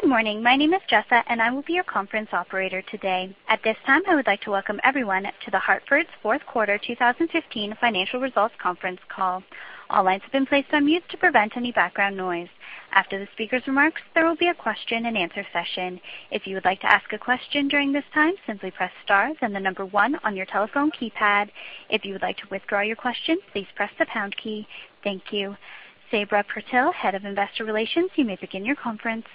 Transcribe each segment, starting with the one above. Good morning. My name is Jessa, and I will be your conference operator today. At this time, I would like to welcome everyone to The Hartford's fourth quarter 2015 financial results conference call. All lines have been placed on mute to prevent any background noise. After the speaker's remarks, there will be a question and answer session. If you would like to ask a question during this time, simply press star then the number one on your telephone keypad. If you would like to withdraw your question, please press the pound key. Thank you. Sabra Purtill, Head of Investor Relations, you may begin your conference.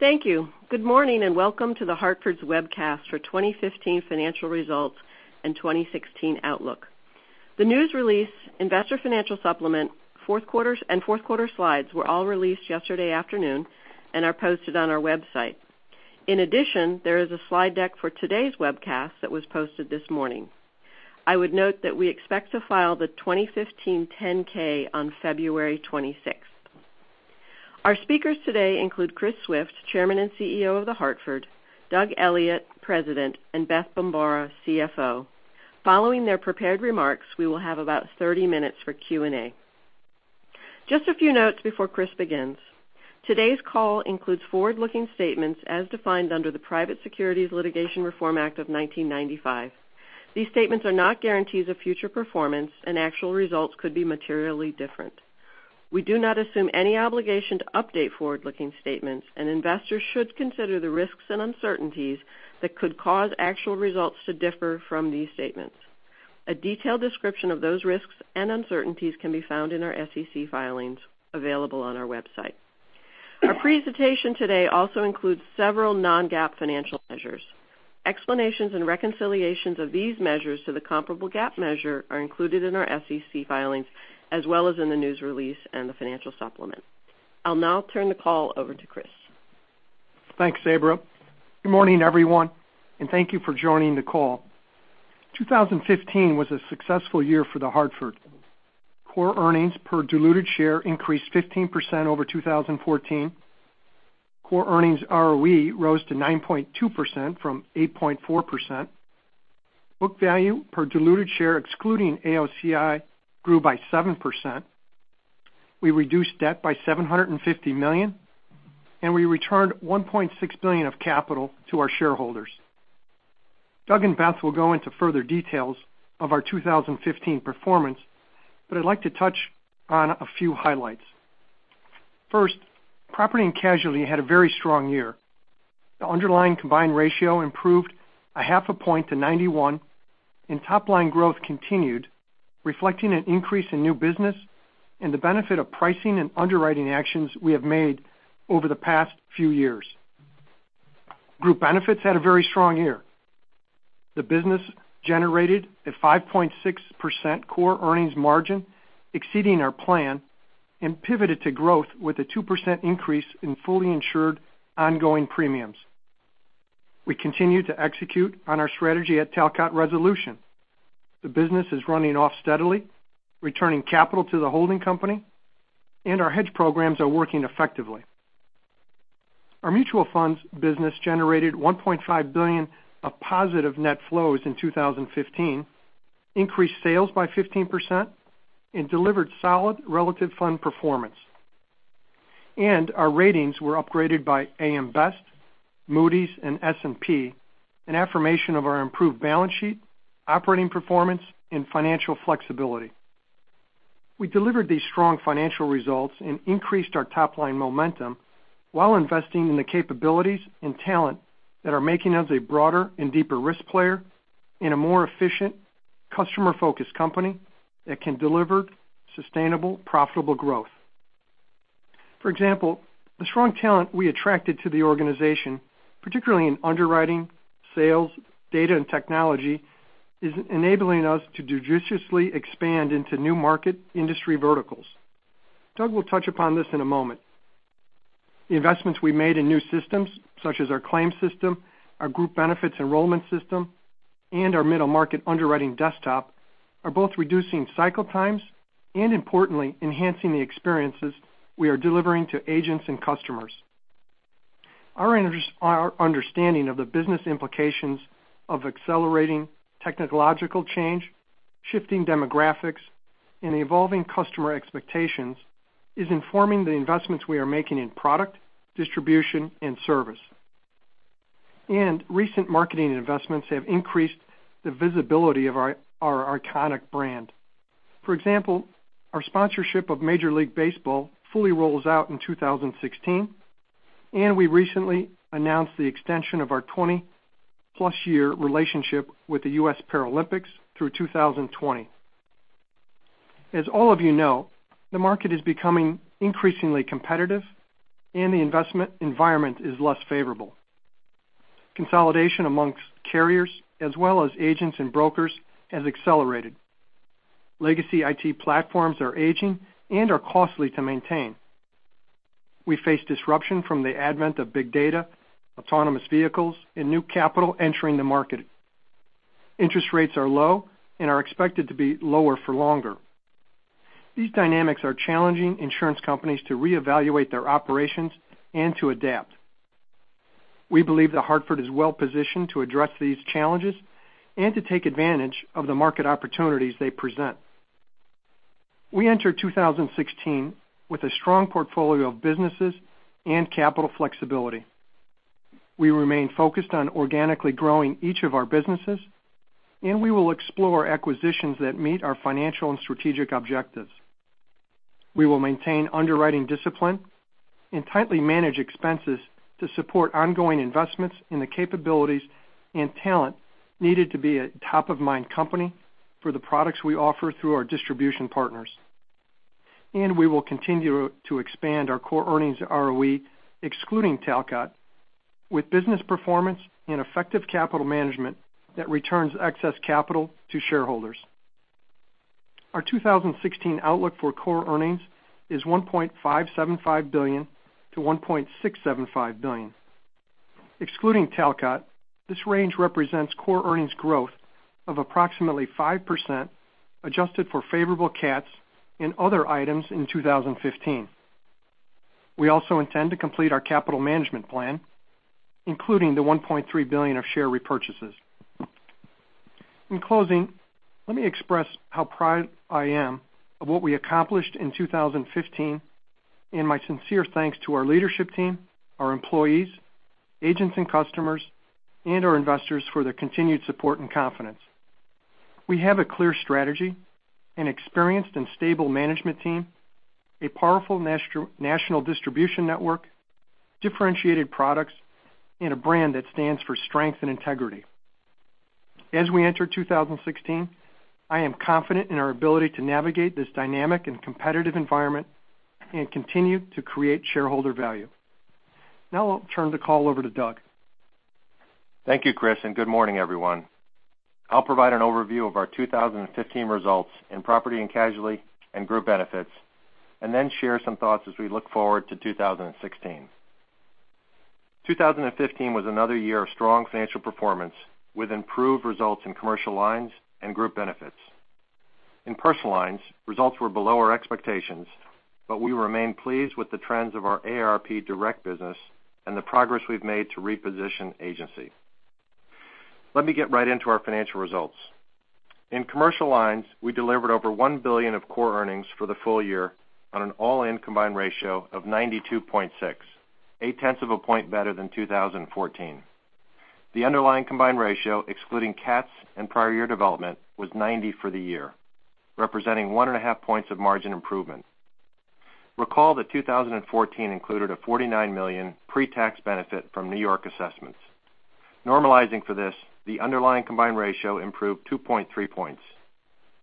Thank you. Good morning and welcome to The Hartford's webcast for 2015 financial results and 2016 outlook. The news release investor financial supplement and fourth quarter slides were all released yesterday afternoon and are posted on our website. In addition, there is a slide deck for today's webcast that was posted this morning. I would note that we expect to file the 2015 10-K on February 26th. Our speakers today include Chris Swift, Chairman and CEO of The Hartford, Doug Elliot, President, and Beth Bombara, CFO. Following their prepared remarks, we will have about 30 minutes for Q&A. Just a few notes before Chris begins. Today's call includes forward-looking statements as defined under the Private Securities Litigation Reform Act of 1995. These statements are not guarantees of future performance, and actual results could be materially different. We do not assume any obligation to update forward-looking statements, and investors should consider the risks and uncertainties that could cause actual results to differ from these statements. A detailed description of those risks and uncertainties can be found in our SEC filings available on our website. Our presentation today also includes several non-GAAP financial measures. Explanations and reconciliations of these measures to the comparable GAAP measure are included in our SEC filings as well as in the news release and the financial supplement. I'll now turn the call over to Chris. Thanks, Sabra. Good morning, everyone, and thank you for joining the call. 2015 was a successful year for The Hartford. Core earnings per diluted share increased 15% over 2014. Core earnings ROE rose to 9.2% from 8.4%. Book value per diluted share, excluding AOCI, grew by 7%. We reduced debt by $750 million, and we returned $1.6 billion of capital to our shareholders. Doug and Beth will go into further details of our 2015 performance, but I'd like to touch on a few highlights. First, Property & Casualty had a very strong year. The underlying combined ratio improved a half a point to 91, and top-line growth continued, reflecting an increase in new business and the benefit of pricing and underwriting actions we have made over the past few years. Group Benefits had a very strong year. The business generated a 5.6% core earnings margin, exceeding our plan, and pivoted to growth with a 2% increase in fully insured ongoing premiums. We continue to execute on our strategy at Talcott Resolution. The business is running off steadily, returning capital to the holding company, and our hedge programs are working effectively. Our mutual funds business generated $1.5 billion of positive net flows in 2015, increased sales by 15%, and delivered solid relative fund performance. Our ratings were upgraded by AM Best, Moody's, and S&P, an affirmation of our improved balance sheet, operating performance, and financial flexibility. We delivered these strong financial results and increased our top-line momentum while investing in the capabilities and talent that are making us a broader and deeper risk player in a more efficient, customer-focused company that can deliver sustainable, profitable growth. For example, the strong talent we attracted to the organization, particularly in underwriting, sales, data, and technology, is enabling us to judiciously expand into new market industry verticals. Doug will touch upon this in a moment. The investments we made in new systems, such as our claims system, our Group Benefits enrollment system, and our middle market underwriting desktop, are both reducing cycle times and, importantly, enhancing the experiences we are delivering to agents and customers. Our understanding of the business implications of accelerating technological change, shifting demographics, and evolving customer expectations is informing the investments we are making in product, distribution, and service. Recent marketing investments have increased the visibility of our iconic brand. For example, our sponsorship of Major League Baseball fully rolls out in 2016, and we recently announced the extension of our 20-plus year relationship with the U.S. Paralympics through 2020. As all of you know, the market is becoming increasingly competitive and the investment environment is less favorable. Consolidation amongst carriers as well as agents and brokers has accelerated. Legacy IT platforms are aging and are costly to maintain. We face disruption from the advent of big data, autonomous vehicles, and new capital entering the market. Interest rates are low and are expected to be lower for longer. These dynamics are challenging insurance companies to reevaluate their operations and to adapt. We believe The Hartford is well-positioned to address these challenges and to take advantage of the market opportunities they present. We enter 2016 with a strong portfolio of businesses and capital flexibility. We remain focused on organically growing each of our businesses, and we will explore acquisitions that meet our financial and strategic objectives. We will maintain underwriting discipline and tightly manage expenses to support ongoing investments in the capabilities and talent needed to be a top-of-mind company for the products we offer through our distribution partners. We will continue to expand our core earnings ROE, excluding Talcott, with business performance and effective capital management that returns excess capital to shareholders. Our 2016 outlook for core earnings is $1.575 billion to $1.675 billion. Excluding Talcott, this range represents core earnings growth of approximately 5%, adjusted for favorable CATs and other items in 2015. We also intend to complete our capital management plan, including the $1.3 billion of share repurchases. In closing, let me express how proud I am of what we accomplished in 2015, and my sincere thanks to our leadership team, our employees, agents and customers, and our investors for their continued support and confidence. We have a clear strategy, an experienced and stable management team, a powerful national distribution network, differentiated products, and a brand that stands for strength and integrity. As we enter 2016, I am confident in our ability to navigate this dynamic and competitive environment and continue to create shareholder value. Now I'll turn the call over to Doug. Thank you, Chris, good morning, everyone. I'll provide an overview of our 2015 results in property and casualty and group benefits, then share some thoughts as we look forward to 2016. 2015 was another year of strong financial performance with improved results in commercial lines and group benefits. In personal lines, results were below our expectations, but we remain pleased with the trends of our AARP Direct business and the progress we've made to reposition agency. Let me get right into our financial results. In Commercial Lines, we delivered over $1 billion of core earnings for the full year on an all-in combined ratio of 92.6%, 0.8 points better than 2014. The underlying combined ratio, excluding CATs and prior year development, was 90% for the year, representing 1.5 points of margin improvement. Recall that 2014 included a $49 million pre-tax benefit from New York assessments. Normalizing for this, the underlying combined ratio improved 2.3 points.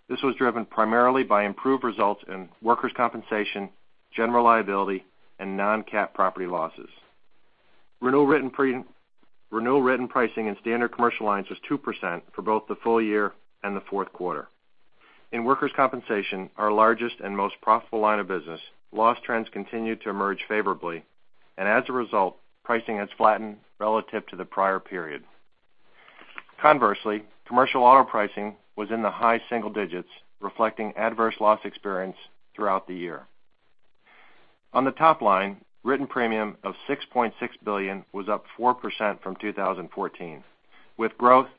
This was driven primarily by improved results in workers' compensation, general liability, and non-CAT property losses. Renewal written pricing in Standard Commercial Lines was 2% for both the full year and the fourth quarter. In workers' compensation, our largest and most profitable line of business, loss trends continued to emerge favorably, as a result, pricing has flattened relative to the prior period. Conversely, commercial auto pricing was in the high single digits, reflecting adverse loss experience throughout the year. On the top line, written premium of $6.6 billion was up 4% from 2014, with growth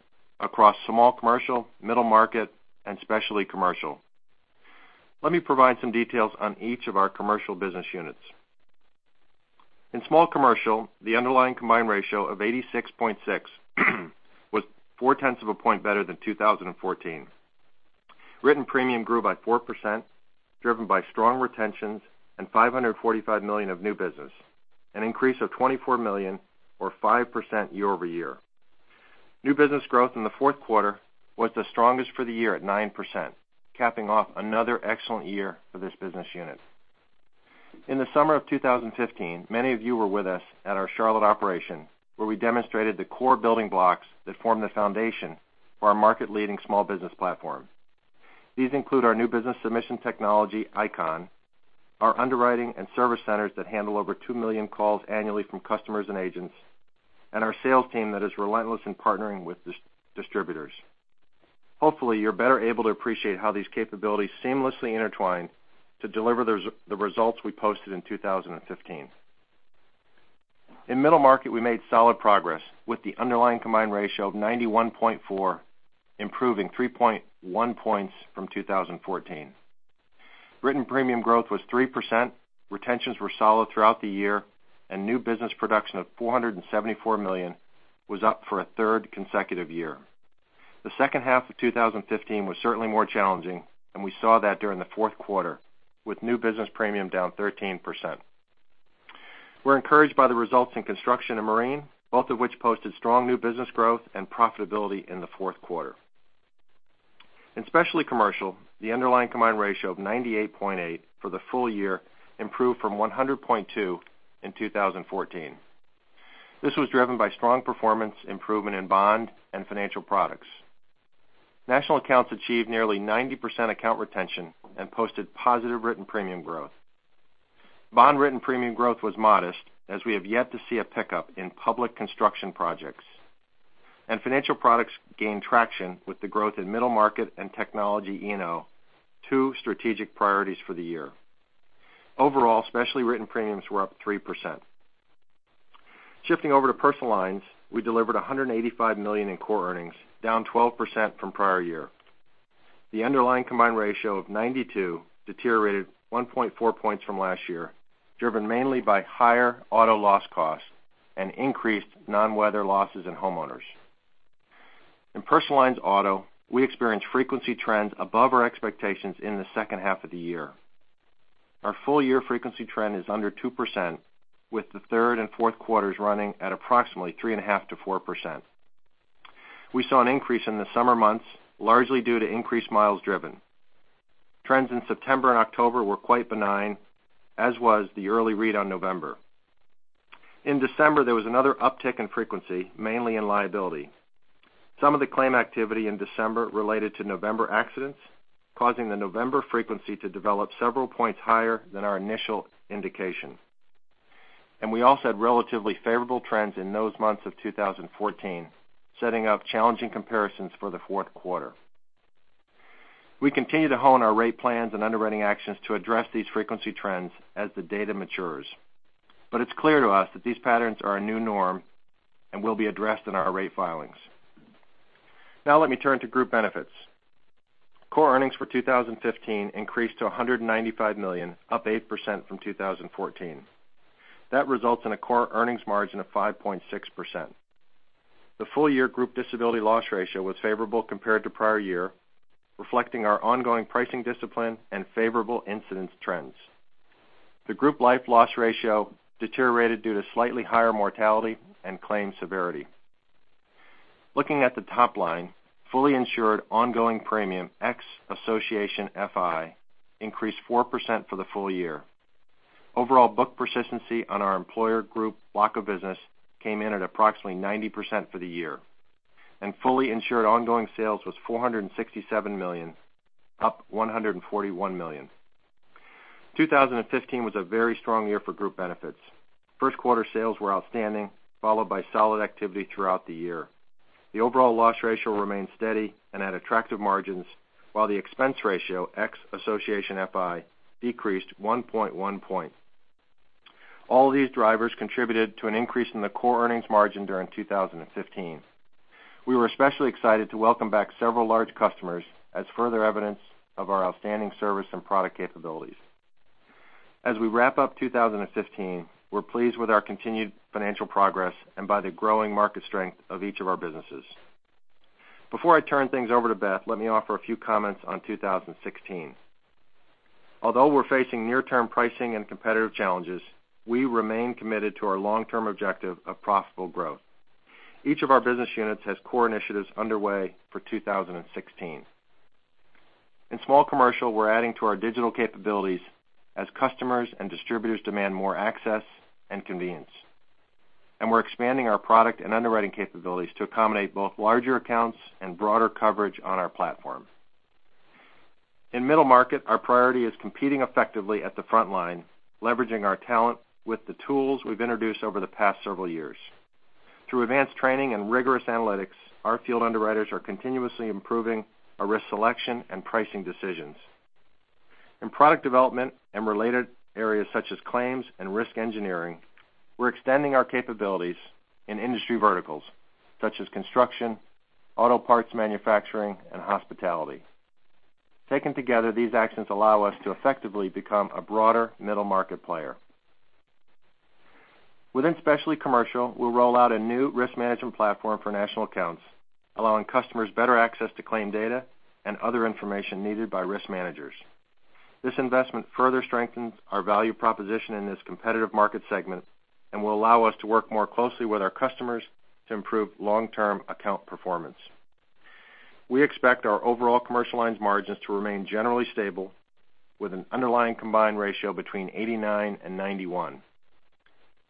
across small commercial, middle market, and specialty commercial. Let me provide some details on each of our commercial business units. In small commercial, the underlying combined ratio of 86.6% was 0.4 points better than 2014. Written premium grew by 4%, driven by strong retentions and $545 million of new business, an increase of $24 million or 5% year-over-year. New business growth in the fourth quarter was the strongest for the year at 9%, capping off another excellent year for this business unit. In the summer of 2015, many of you were with us at our Charlotte operation, where we demonstrated the core building blocks that form the foundation for our market-leading small business platform. These include our new business submission technology, ICON, our underwriting and service centers that handle over 2 million calls annually from customers and agents, and our sales team that is relentless in partnering with distributors. Hopefully, you're better able to appreciate how these capabilities seamlessly intertwine to deliver the results we posted in 2015. In middle market, we made solid progress with the underlying combined ratio of 91.4, improving 3.1 points from 2014. Written premium growth was 3%, retentions were solid throughout the year, and new business production of $474 million was up for a third consecutive year. The second half of 2015 was certainly more challenging, and we saw that during the fourth quarter, with new business premium down 13%. We're encouraged by the results in construction and marine, both of which posted strong new business growth and profitability in the fourth quarter. In Specialty Commercial, the underlying combined ratio of 98.8 for the full year improved from 100.2 in 2014. This was driven by strong performance improvement in bond and financial products. National accounts achieved nearly 90% account retention and posted positive written premium growth. Bond written premium growth was modest, as we have yet to see a pickup in public construction projects. Financial products gained traction with the growth in middle market and technology E&O, two strategic priorities for the year. Overall, specialty written premiums were up 3%. Shifting over to personal lines, we delivered $185 million in core earnings, down 12% from prior year. The underlying combined ratio of 92 deteriorated 1.4 points from last year, driven mainly by higher auto loss costs and increased non-weather losses in homeowners. In personal lines auto, we experienced frequency trends above our expectations in the second half of the year. Our full year frequency trend is under 2%, with the third and fourth quarters running at approximately 3.5%-4%. We saw an increase in the summer months, largely due to increased miles driven. Trends in September and October were quite benign, as was the early read on November. In December, there was another uptick in frequency, mainly in liability. Some of the claim activity in December related to November accidents, causing the November frequency to develop several points higher than our initial indication. We also had relatively favorable trends in those months of 2014, setting up challenging comparisons for the fourth quarter. We continue to hone our rate plans and underwriting actions to address these frequency trends as the data matures. It's clear to us that these patterns are a new norm and will be addressed in our rate filings. Now let me turn to group benefits. Core earnings for 2015 increased to $195 million, up 8% from 2014. That results in a core earnings margin of 5.6%. The full year group disability loss ratio was favorable compared to prior year, reflecting our ongoing pricing discipline and favorable incidence trends. The group life loss ratio deteriorated due to slightly higher mortality and claim severity. Looking at the top line, fully insured ongoing premium ex Association FI increased 4% for the full year. Overall book persistency on our employer group block of business came in at approximately 90% for the year, and fully insured ongoing sales was $467 million, up $141 million. 2015 was a very strong year for group benefits. First quarter sales were outstanding, followed by solid activity throughout the year. The overall loss ratio remained steady and had attractive margins, while the expense ratio, ex Association FI, decreased 1.1 point. All these drivers contributed to an increase in the core earnings margin during 2015. We were especially excited to welcome back several large customers as further evidence of our outstanding service and product capabilities. As we wrap up 2015, we're pleased with our continued financial progress and by the growing market strength of each of our businesses. Before I turn things over to Beth, let me offer a few comments on 2016. Although we're facing near-term pricing and competitive challenges, we remain committed to our long-term objective of profitable growth. Each of our business units has core initiatives underway for 2016. In small commercial, we're adding to our digital capabilities as customers and distributors demand more access and convenience. We're expanding our product and underwriting capabilities to accommodate both larger accounts and broader coverage on our platform. In middle market, our priority is competing effectively at the front line, leveraging our talent with the tools we've introduced over the past several years. Through advanced training and rigorous analytics, our field underwriters are continuously improving our risk selection and pricing decisions. In product development and related areas such as claims and risk engineering, we're extending our capabilities in industry verticals such as construction, auto parts manufacturing, and hospitality. Taken together, these actions allow us to effectively become a broader middle market player. Within specialty commercial, we'll roll out a new risk management platform for national accounts, allowing customers better access to claim data and other information needed by risk managers. This investment further strengthens our value proposition in this competitive market segment and will allow us to work more closely with our customers to improve long-term account performance. We expect our overall commercial lines margins to remain generally stable with an underlying combined ratio between 89% and 91%.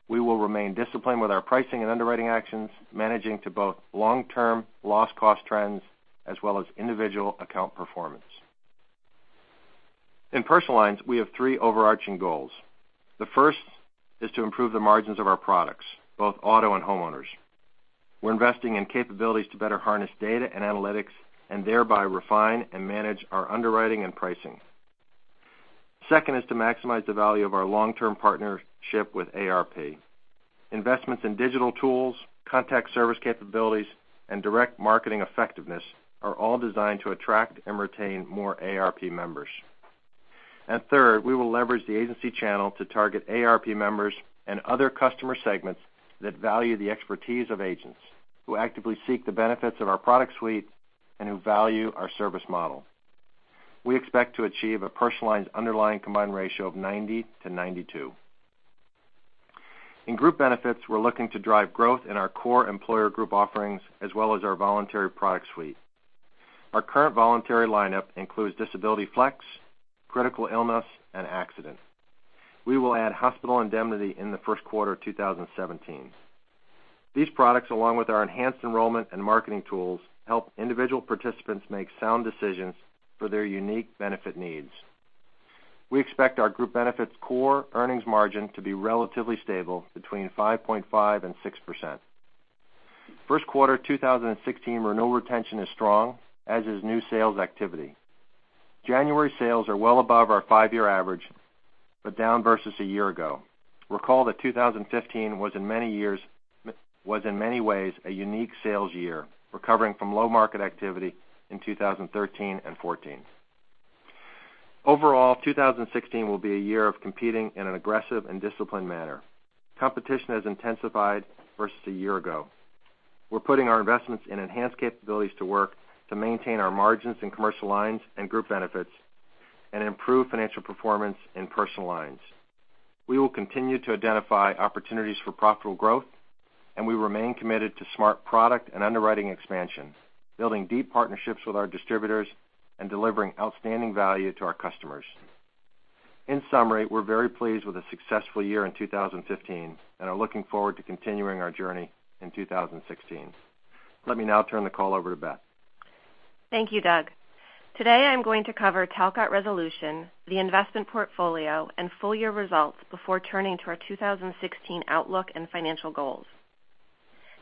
We will remain disciplined with our pricing and underwriting actions, managing to both long-term loss cost trends as well as individual account performance. In personal lines, we have three overarching goals. The first is to improve the margins of our products, both auto and homeowners. We're investing in capabilities to better harness data and analytics and thereby refine and manage our underwriting and pricing. Second is to maximize the value of our long-term partnership with AARP. Investments in digital tools, contact service capabilities, and direct marketing effectiveness are all designed to attract and retain more AARP members. Third, we will leverage the agency channel to target AARP members and other customer segments that value the expertise of agents who actively seek the benefits of our product suite and who value our service model. We expect to achieve a personalized underlying combined ratio of 90%-92%. In group benefits, we're looking to drive growth in our core employer group offerings as well as our voluntary product suite. Our current voluntary lineup includes disability flex, critical illness, and accident. We will add hospital indemnity in the first quarter of 2017. These products, along with our enhanced enrollment and marketing tools, help individual participants make sound decisions for their unique benefit needs. We expect our group benefits core earnings margin to be relatively stable between 5.5% and 6%. First quarter 2016 renewal retention is strong, as is new sales activity. January sales are well above our five-year average, but down versus a year ago. Recall that 2015 was in many ways a unique sales year, recovering from low market activity in 2013 and 2014. Overall, 2016 will be a year of competing in an aggressive and disciplined manner. Competition has intensified versus a year ago. We're putting our investments in enhanced capabilities to work to maintain our margins in Commercial Lines and Group Benefits and improve financial performance in Personal Lines. We will continue to identify opportunities for profitable growth, and we remain committed to smart product and underwriting expansions, building deep partnerships with our distributors, and delivering outstanding value to our customers. In summary, we're very pleased with a successful year in 2015 and are looking forward to continuing our journey in 2016. Let me now turn the call over to Beth. Thank you, Doug. Today I'm going to cover Talcott Resolution, the investment portfolio, and full-year results before turning to our 2016 outlook and financial goals.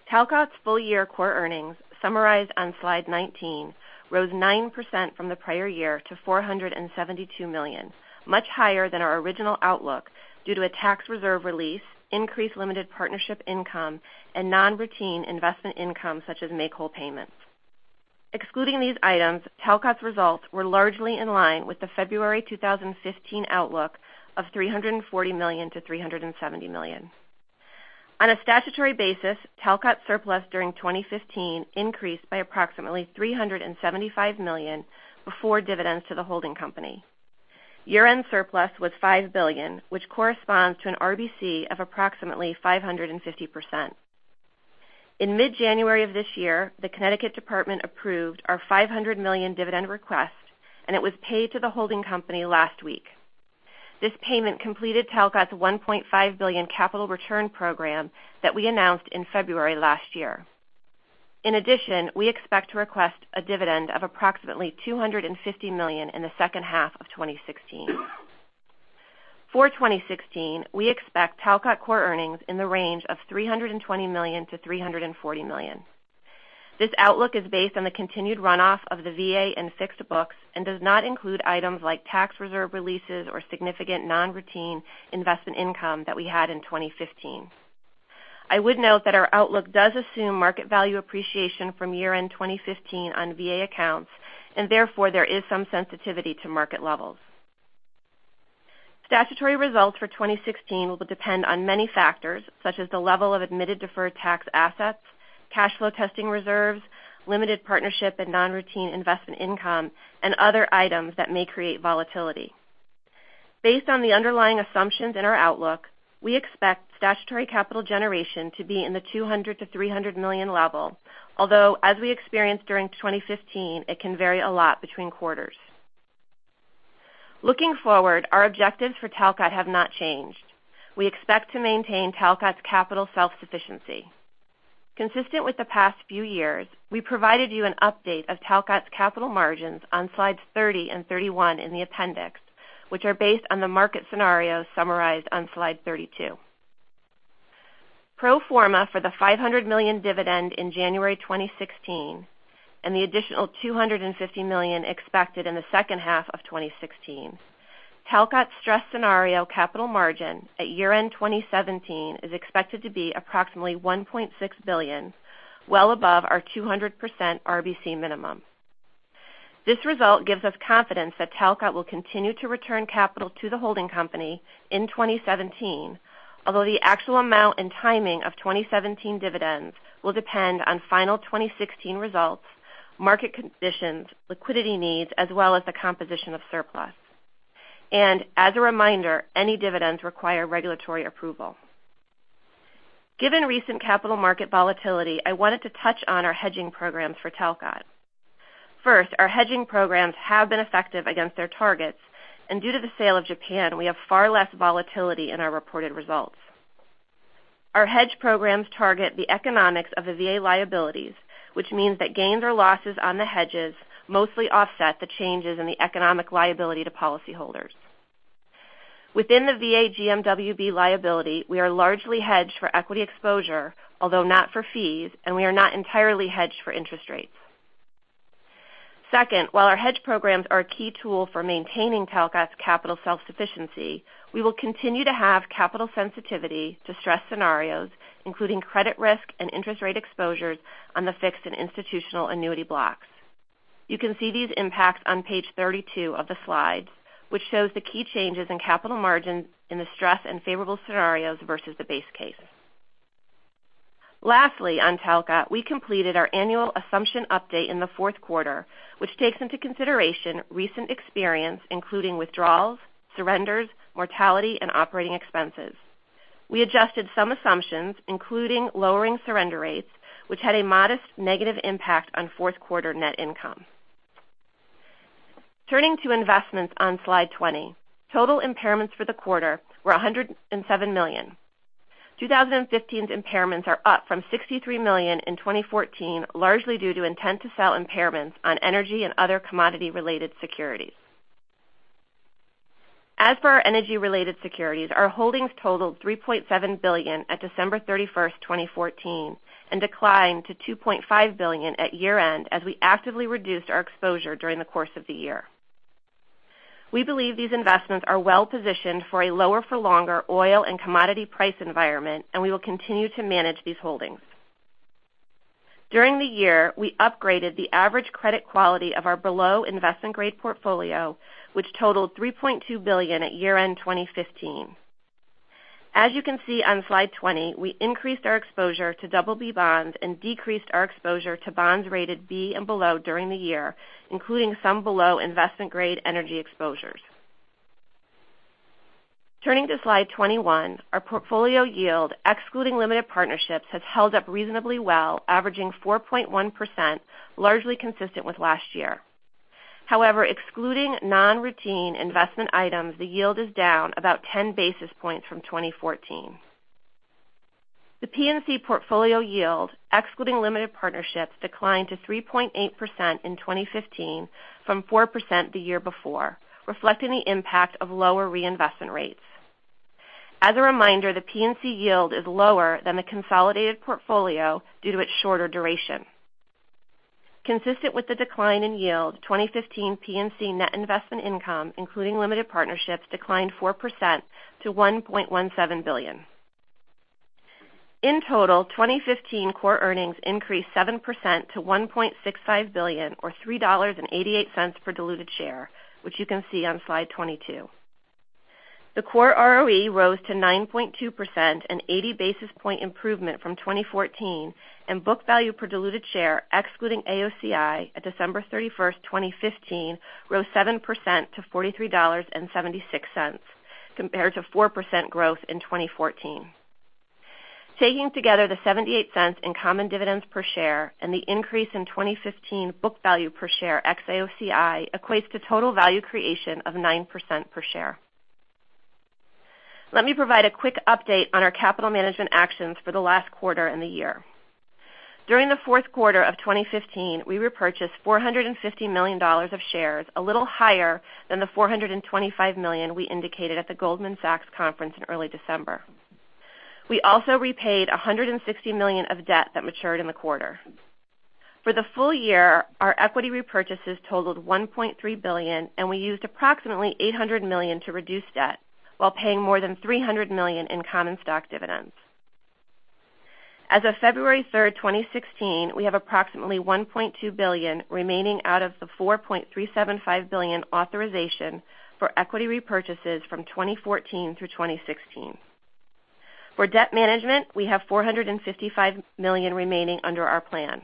Talcott's full-year core earnings, summarized on slide 19, rose 9% from the prior year to $472 million, much higher than our original outlook due to a tax reserve release, increased limited partnership income, and non-routine investment income such as make-whole payments. Excluding these items, Talcott's results were largely in line with the February 2015 outlook of $340 million-$370 million. On a statutory basis, Talcott surplus during 2015 increased by approximately $375 million before dividends to the holding company. Year-end surplus was $5 billion, which corresponds to an RBC of approximately 550%. In mid-January of this year, the Connecticut Insurance Department approved our $500 million dividend request, and it was paid to the holding company last week. This payment completed Talcott's $1.5 billion capital return program that we announced in February last year. We expect to request a dividend of approximately $250 million in the second half of 2016. For 2016, we expect Talcott core earnings in the range of $320 million-$340 million. This outlook is based on the continued runoff of the VA and fixed books and does not include items like tax reserve releases or significant non-routine investment income that we had in 2015. I would note that our outlook does assume market value appreciation from year-end 2015 on VA accounts, and therefore there is some sensitivity to market levels. Statutory results for 2016 will depend on many factors, such as the level of admitted deferred tax assets, cash flow testing reserves, limited partnership and non-routine investment income, and other items that may create volatility. Based on the underlying assumptions in our outlook, we expect statutory capital generation to be in the $200 million-$300 million level, although, as we experienced during 2015, it can vary a lot between quarters. Looking forward, our objectives for Talcott have not changed. We expect to maintain Talcott's capital self-sufficiency. Consistent with the past few years, we provided you an update of Talcott's capital margins on slides 30 and 31 in the appendix, which are based on the market scenario summarized on slide 32. Pro forma for the $500 million dividend in January 2016 and the additional $250 million expected in the second half of 2016, Talcott's stress scenario capital margin at year-end 2017 is expected to be approximately $1.6 billion, well above our 200% RBC minimum. This result gives us confidence that Talcott will continue to return capital to the holding company in 2017, although the actual amount and timing of 2017 dividends will depend on final 2016 results, market conditions, liquidity needs, as well as the composition of surplus. As a reminder, any dividends require regulatory approval. Given recent capital market volatility, I wanted to touch on our hedging programs for Talcott. First, our hedging programs have been effective against their targets, and due to the sale of Japan, we have far less volatility in our reported results. Our hedge programs target the economics of the VA liabilities, which means that gains or losses on the hedges mostly offset the changes in the economic liability to policyholders. Within the VA GMWB liability, we are largely hedged for equity exposure, although not for fees, and we are not entirely hedged for interest rates. Second, while our hedge programs are a key tool for maintaining Talcott's capital self-sufficiency, we will continue to have capital sensitivity to stress scenarios, including credit risk and interest rate exposures on the fixed and institutional annuity blocks. You can see these impacts on page 32 of the slides, which shows the key changes in capital margins in the stress and favorable scenarios versus the base case. Lastly, on Talcott, we completed our annual assumption update in the fourth quarter, which takes into consideration recent experience including withdrawals, surrenders, mortality, and operating expenses. We adjusted some assumptions, including lowering surrender rates, which had a modest negative impact on fourth-quarter net income. Turning to investments on slide 20. Total impairments for the quarter were $107 million. 2015's impairments are up from $63 million in 2014, largely due to intent to sell impairments on energy and other commodity-related securities. As for our energy-related securities, our holdings totaled $3.7 billion at December 31st, 2014, and declined to $2.5 billion at year-end as we actively reduced our exposure during the course of the year. We believe these investments are well-positioned for a lower-for-longer oil and commodity price environment, and we will continue to manage these holdings. During the year, we upgraded the average credit quality of our below investment-grade portfolio, which totaled $3.2 billion at year-end 2015. As you can see on slide 20, we increased our exposure to BB bonds and decreased our exposure to bonds rated B and below during the year, including some below investment-grade energy exposures. Turning to slide 21, our portfolio yield, excluding limited partnerships, has held up reasonably well, averaging 4.1%, largely consistent with last year. However, excluding non-routine investment items, the yield is down about 10 basis points from 2014. The P&C portfolio yield, excluding limited partnerships, declined to 3.8% in 2015 from 4% the year before, reflecting the impact of lower reinvestment rates. As a reminder, the P&C yield is lower than the consolidated portfolio due to its shorter duration. Consistent with the decline in yield, 2015 P&C net investment income, including limited partnerships, declined 4% to $1.17 billion. In total, 2015 core earnings increased 7% to $1.65 billion, or $3.88 per diluted share, which you can see on slide 22. The core ROE rose to 9.2%, an 80 basis point improvement from 2014, and book value per diluted share, excluding AOCI at December 31st, 2015, rose 7% to $43.76, compared to 4% growth in 2014. Taking together the $0.78 in common dividends per share and the increase in 2015 book value per share ex AOCI equates to total value creation of 9% per share. Let me provide a quick update on our capital management actions for the last quarter and the year. During the fourth quarter of 2015, we repurchased $450 million of shares, a little higher than the $425 million we indicated at the Goldman Sachs conference in early December. We also repaid $160 million of debt that matured in the quarter. For the full year, our equity repurchases totaled $1.3 billion, and we used approximately $800 million to reduce debt while paying more than $300 million in common stock dividends. As of February 3rd, 2016, we have approximately $1.2 billion remaining out of the $4.375 billion authorization for equity repurchases from 2014 through 2016. For debt management, we have $455 million remaining under our plan.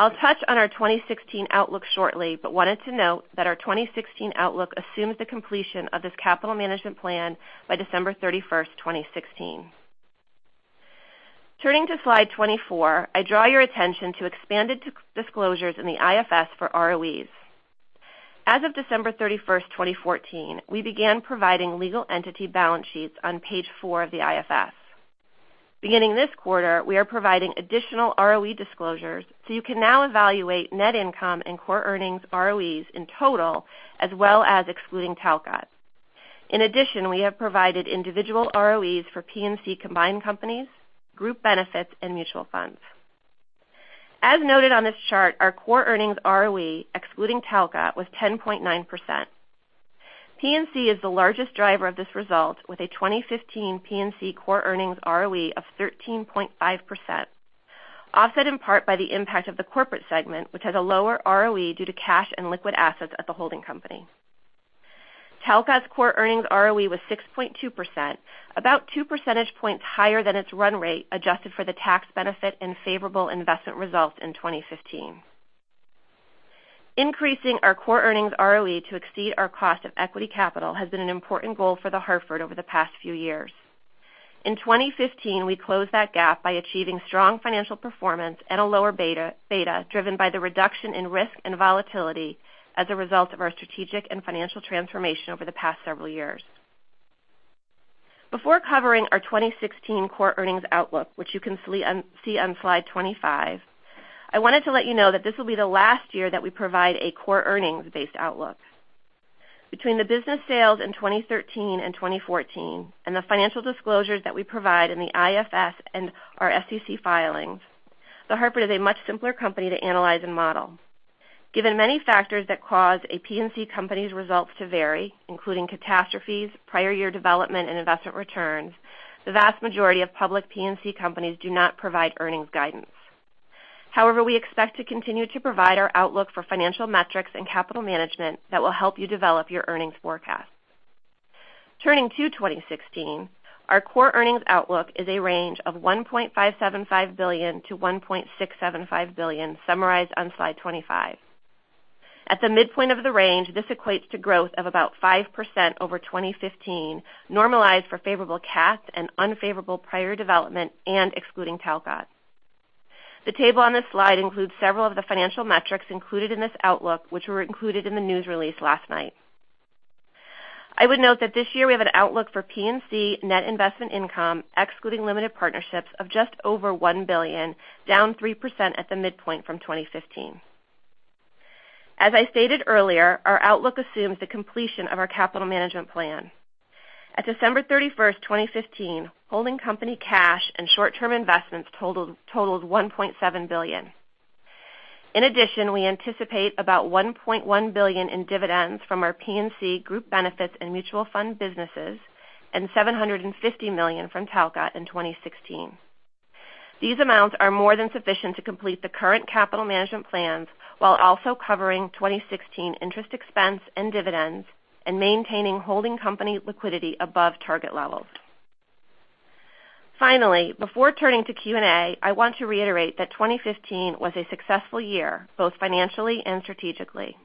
I'll touch on our 2016 outlook shortly, wanted to note that our 2016 outlook assumes the completion of this capital management plan by December 31st, 2016. Turning to slide 24, I draw your attention to expanded disclosures in the IFS for ROEs. As of December 31st, 2014, we began providing legal entity balance sheets on page four of the IFS. Beginning this quarter, we are providing additional ROE disclosures, you can now evaluate net income and core earnings ROEs in total, as well as excluding Talcott. In addition, we have provided individual ROEs for P&C combined companies, group benefits, and mutual funds. As noted on this chart, our core earnings ROE, excluding Talcott, was 10.9%. P&C is the largest driver of this result, with a 2015 P&C core earnings ROE of 13.5%, offset in part by the impact of the corporate segment, which has a lower ROE due to cash and liquid assets at the holding company. Talcott's core earnings ROE was 6.2%, about two percentage points higher than its run rate, adjusted for the tax benefit and favorable investment results in 2015. Increasing our core earnings ROE to exceed our cost of equity capital has been an important goal for The Hartford over the past few years. In 2015, we closed that gap by achieving strong financial performance and a lower beta, driven by the reduction in risk and volatility as a result of our strategic and financial transformation over the past several years. Before covering our 2016 core earnings outlook, which you can see on slide 25, I wanted to let you know that this will be the last year that we provide a core earnings-based outlook. Between the business sales in 2013 and 2014 and the financial disclosures that we provide in the IFS and our SEC filings, The Hartford is a much simpler company to analyze and model. Given many factors that cause a P&C company's results to vary, including catastrophes, prior year development, and investment returns, the vast majority of public P&C companies do not provide earnings guidance. We expect to continue to provide our outlook for financial metrics and capital management that will help you develop your earnings forecast. Turning to 2016, our core earnings outlook is a range of $1.575 billion to $1.675 billion, summarized on slide 25. At the midpoint of the range, this equates to growth of about 5% over 2015, normalized for favorable CAT and unfavorable prior development and excluding Talcott. The table on this slide includes several of the financial metrics included in this outlook, which were included in the news release last night. I would note that this year we have an outlook for P&C net investment income, excluding limited partnerships, of just over $1 billion, down 3% at the midpoint from 2015. As I stated earlier, our outlook assumes the completion of our capital management plan. At December 31st, 2015, holding company cash and short-term investments totaled $1.7 billion. In addition, we anticipate about $1.1 billion in dividends from our P&C group benefits and mutual fund businesses and $750 million from Talcott in 2016. These amounts are more than sufficient to complete the current capital management plans while also covering 2016 interest expense and dividends and maintaining holding company liquidity above target levels. Finally, before turning to Q&A, I want to reiterate that 2015 was a successful year, both financially and strategically.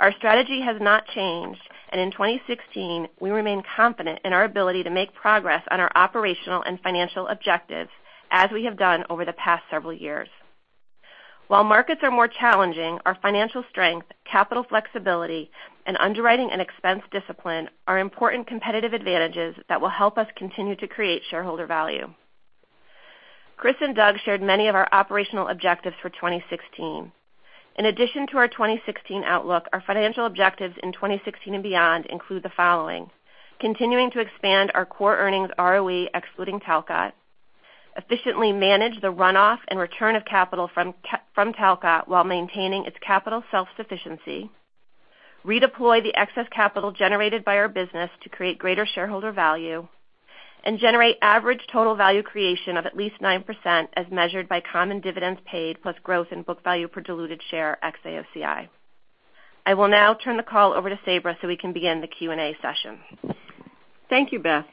Our strategy has not changed, in 2016, we remain confident in our ability to make progress on our operational and financial objectives, as we have done over the past several years. While markets are more challenging, our financial strength, capital flexibility, and underwriting and expense discipline are important competitive advantages that will help us continue to create shareholder value. Chris and Doug shared many of our operational objectives for 2016. In addition to our 2016 outlook, our financial objectives in 2016 and beyond include the following: continuing to expand our core earnings ROE excluding Talcott, efficiently manage the runoff and return of capital from Talcott while maintaining its capital self-sufficiency, redeploy the excess capital generated by our business to create greater shareholder value, and generate average total value creation of at least 9% as measured by common dividends paid, plus growth in book value per diluted share ex AOCI. I will now turn the call over to Sabra so we can begin the Q&A session. Thank you, Beth.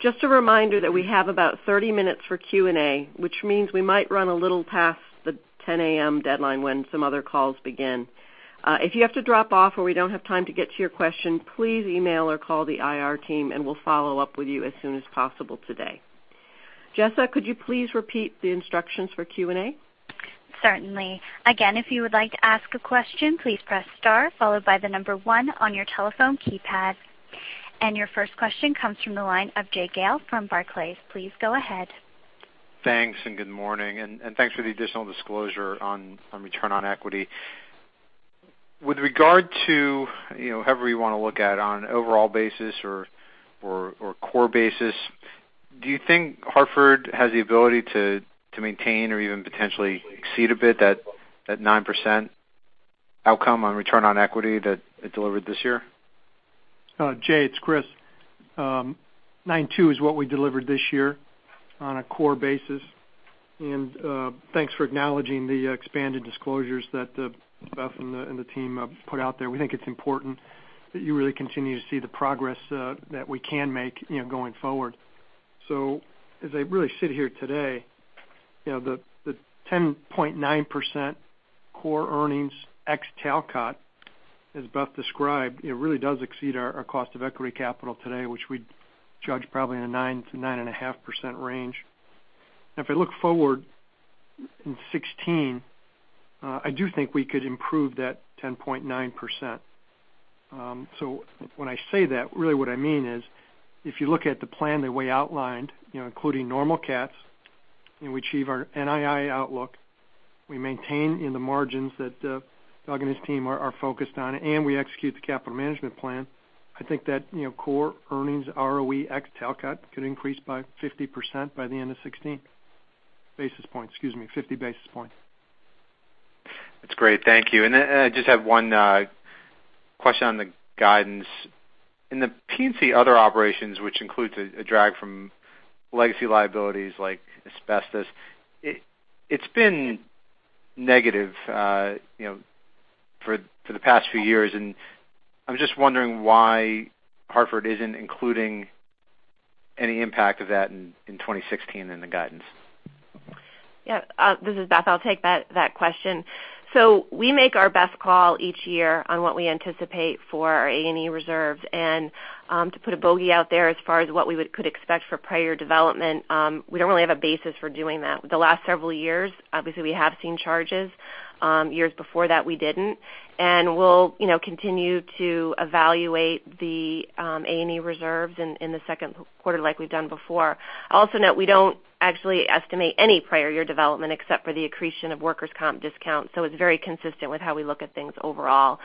Just a reminder that we have about 30 minutes for Q&A, which means we might run a little past the 10:00 A.M. deadline when some other calls begin. If you have to drop off or we don't have time to get to your question, please email or call the IR team and we'll follow up with you as soon as possible today. Jessa, could you please repeat the instructions for Q&A? Certainly. Again, if you would like to ask a question, please press star followed by the number one on your telephone keypad. Your first question comes from the line of Jay Gelb from Barclays. Please go ahead. Thanks, good morning, and thanks for the additional disclosure on return on equity. With regard to however you want to look at on an overall basis or core basis, do you think Hartford has the ability to maintain or even potentially exceed a bit that 9% outcome on return on equity that it delivered this year? Jay, it's Chris. 9.2 is what we delivered this year on a core basis. Thanks for acknowledging the expanded disclosures that Beth and the team put out there. We think it's important that you really continue to see the progress that we can make going forward. As I really sit here today, the 10.9% core earnings ex Talcott, as Beth described, it really does exceed our cost of equity capital today, which we'd judge probably in a 9%-9.5% range. If I look forward in 2016, I do think we could improve that 10.9%. When I say that, really what I mean is, if you look at the plan the way outlined, including normal CATs, and we achieve our NII outlook, we maintain in the margins that Doug and his team are focused on, and we execute the capital management plan. I think that core earnings ROE ex Talcott could increase by 50% by the end of 2016. Basis points, excuse me, 50 basis points. That's great. Thank you. I just have one question on the guidance. In the P&C other operations, which includes a drag from legacy liabilities like asbestos, it's been negative for the past few years, I was just wondering why Hartford isn't including any impact of that in 2016 in the guidance. This is Beth. I'll take that question. We make our best call each year on what we anticipate for our A&E reserves. To put a bogey out there as far as what we could expect for prior development, we don't really have a basis for doing that. The last several years, obviously, we have seen charges. Years before that, we didn't. We'll continue to evaluate the A&E reserves in the second quarter like we've done before. I also note we don't actually estimate any prior year development except for the accretion of workers' comp discounts. It's very consistent with how we look at things overall.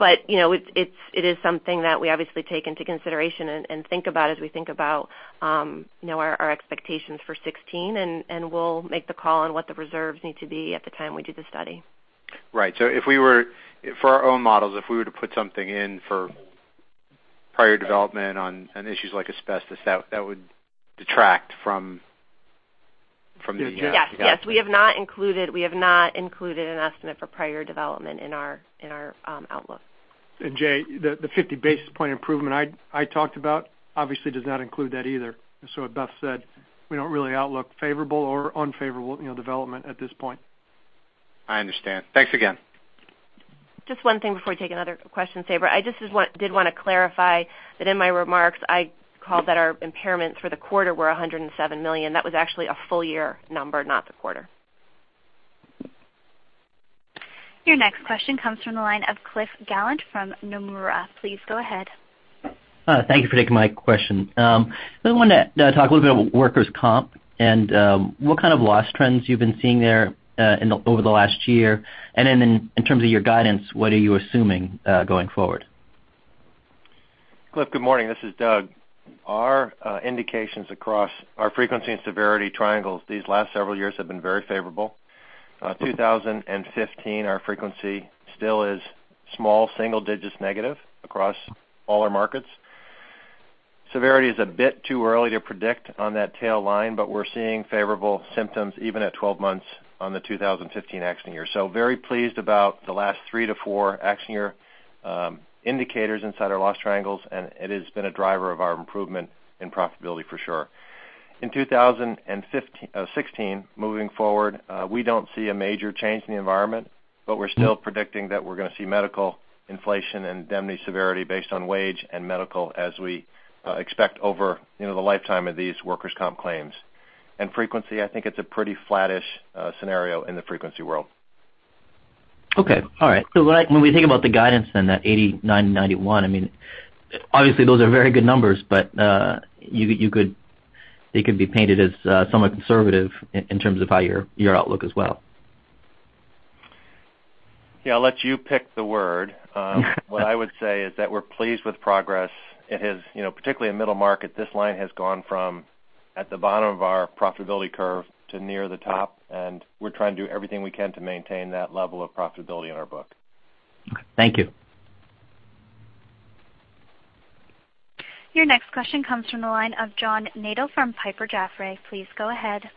It is something that we obviously take into consideration and think about as we think about our expectations for 2016, we'll make the call on what the reserves need to be at the time we do the study. Right. For our own models, if we were to put something in for prior development on issues like asbestos, that would detract from the- Yes. We have not included an estimate for prior development in our outlook. Jay, the 50 basis point improvement I talked about obviously does not include that either. As Beth Bombara said, we don't really outlook favorable or unfavorable development at this point. I understand. Thanks again. Just one thing before you take another question, Sabra. I just did want to clarify that in my remarks, I called that our impairments for the quarter were $107 million. That was actually a full-year number, not the quarter. Your next question comes from the line of Cliff Gallant from Nomura. Please go ahead. Thank you for taking my question. I want to talk a little bit about workers' comp. What kind of loss trends you've been seeing there over the last year? Then in terms of your guidance, what are you assuming going forward? Cliff, good morning. This is Doug. Our indications across our frequency and severity triangles these last several years have been very favorable. 2015, our frequency still is small, single digits negative across all our markets. Severity is a bit too early to predict on that tail line, but we're seeing favorable symptoms even at 12 months on the 2015 accident year. Very pleased about the last three to four accident year indicators inside our loss triangles, and it has been a driver of our improvement in profitability for sure. In 2016, moving forward, we don't see a major change in the environment, but we're still predicting that we're going to see medical inflation and indemnity severity based on wage and medical as we expect over the lifetime of these workers' comp claims. Frequency, I think it's a pretty flattish scenario in the frequency world. Okay. All right. When we think about the guidance then, that 89%-91%, obviously those are very good numbers, but they could be painted as somewhat conservative in terms of your outlook as well. Yeah, I'll let you pick the word. What I would say is that we're pleased with progress. Particularly in middle market, this line has gone from at the bottom of our profitability curve to near the top, and we're trying to do everything we can to maintain that level of profitability in our book. Okay. Thank you. Your next question comes from the line of John Nadel from Piper Jaffray. Please go ahead.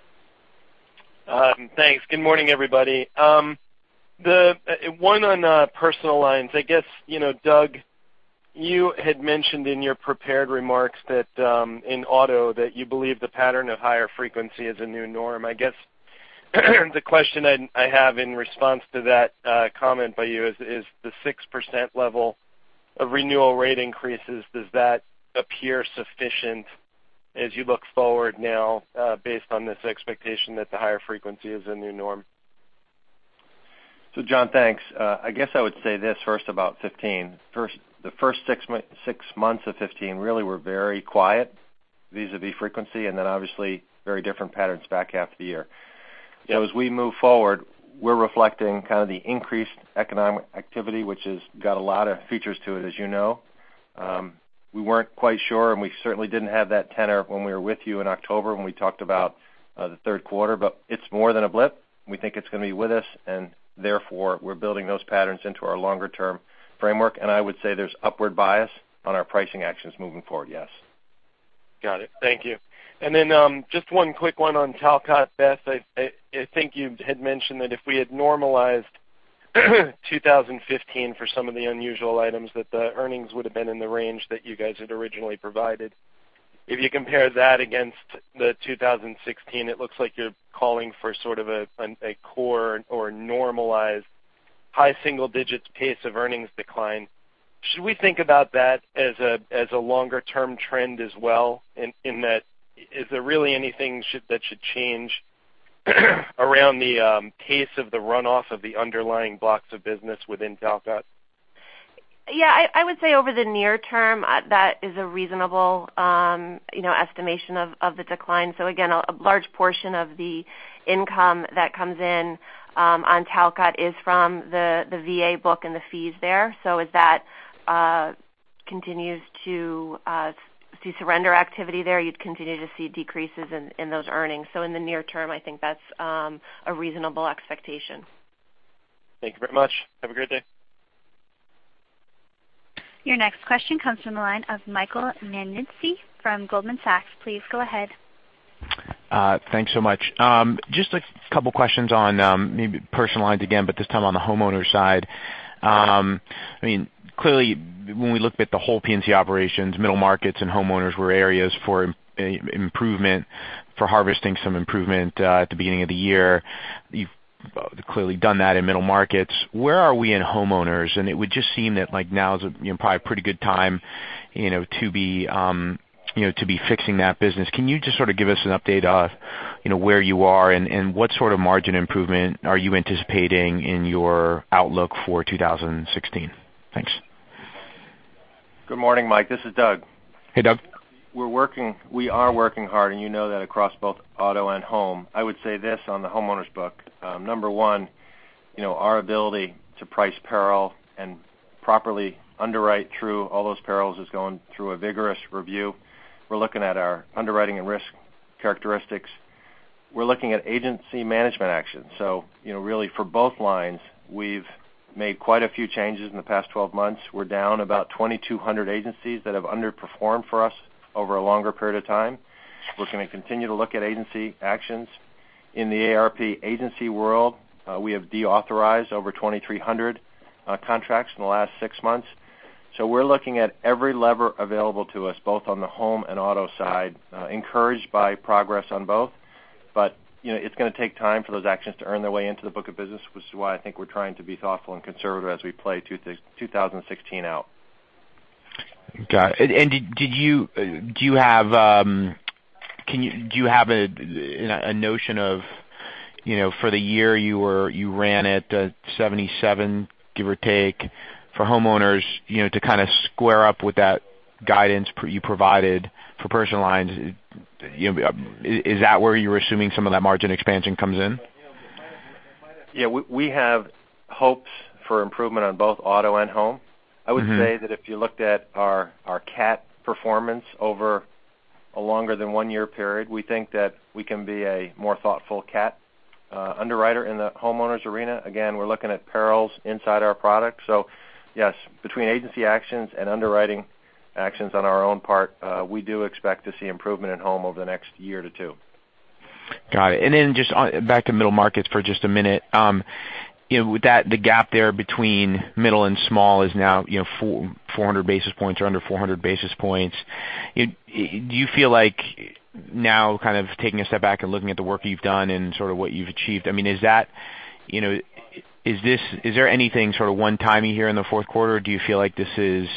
Thanks. Good morning, everybody. One on personal lines. I guess, Doug, you had mentioned in your prepared remarks that in auto that you believe the pattern of higher frequency is a new norm. I guess the question I have in response to that comment by you is the 6% level of renewal rate increases, does that appear sufficient as you look forward now based on this expectation that the higher frequency is a new norm? John, thanks. I guess I would say this first about 2015. The first six months of 2015 really were very quiet vis-à-vis frequency, and then obviously very different patterns back half of the year. Yeah. As we move forward, we're reflecting kind of the increased economic activity, which has got a lot of features to it, as you know. We weren't quite sure, and we certainly didn't have that tenor when we were with you in October when we talked about the third quarter, but it's more than a blip. We think it's going to be with us, and therefore, we're building those patterns into our longer-term framework. I would say there's upward bias on our pricing actions moving forward, yes. Got it. Thank you. Then just one quick one on Talcott, Beth. I think you had mentioned that if we had normalized 2015 for some of the unusual items, that the earnings would have been in the range that you guys had originally provided. If you compare that against the 2016, it looks like you're calling for sort of a core or normalized high single-digit pace of earnings decline. Should we think about that as a longer-term trend as well, in that is there really anything that should change around the pace of the runoff of the underlying blocks of business within Talcott? Yeah, I would say over the near term, that is a reasonable estimation of the decline. Again, a large portion of the income that comes in on Talcott is from the VA book and the fees there. As that continues to see surrender activity there, you'd continue to see decreases in those earnings. In the near term, I think that's a reasonable expectation. Thank you very much. Have a great day. Your next question comes from the line of Michael Nannizzi from Goldman Sachs. Please go ahead. Thanks so much. Just a couple of questions on maybe personal lines again, but this time on the homeowners side. Clearly, when we looked at the whole P&C operations, middle markets and homeowners were areas for improvement, for harvesting some improvement at the beginning of the year. You've clearly done that in middle markets. Where are we in homeowners? It would just seem that now is probably a pretty good time to be fixing that business. Can you just sort of give us an update on where you are and what sort of margin improvement are you anticipating in your outlook for 2016? Thanks. Good morning, Mike. This is Doug. Hey, Doug. We are working hard, you know that across both auto and home. I would say this on the homeowners book. Number one, our ability to price peril and properly underwrite through all those perils is going through a vigorous review. We're looking at our underwriting and risk characteristics. We're looking at agency management actions. Really for both lines, we've made quite a few changes in the past 12 months. We're down about 2,200 agencies that have underperformed for us over a longer period of time. We're going to continue to look at agency actions. In the AARP agency world, we have deauthorized over 2,300 contracts in the last six months. We're looking at every lever available to us, both on the home and auto side, encouraged by progress on both. It's going to take time for those actions to earn their way into the book of business, which is why I think we're trying to be thoughtful and conservative as we play 2016 out. Got it. Do you have a notion of For the year, you ran at 77, give or take, for homeowners to kind of square up with that guidance you provided for personal lines. Is that where you're assuming some of that margin expansion comes in? Yeah. We have hopes for improvement on both auto and home. I would say that if you looked at our CAT performance over a longer than one-year period, we think that we can be a more thoughtful CAT underwriter in the homeowners arena. Again, we're looking at perils inside our product. Yes, between agency actions and underwriting actions on our own part, we do expect to see improvement in home over the next year to two. Got it. Then just back to Middle Markets for just a minute. The gap there between middle and small is now 400 basis points or under 400 basis points. Do you feel like now kind of taking a step back and looking at the work you've done and sort of what you've achieved, is there anything sort of one-timing here in the fourth quarter, or do you feel like this is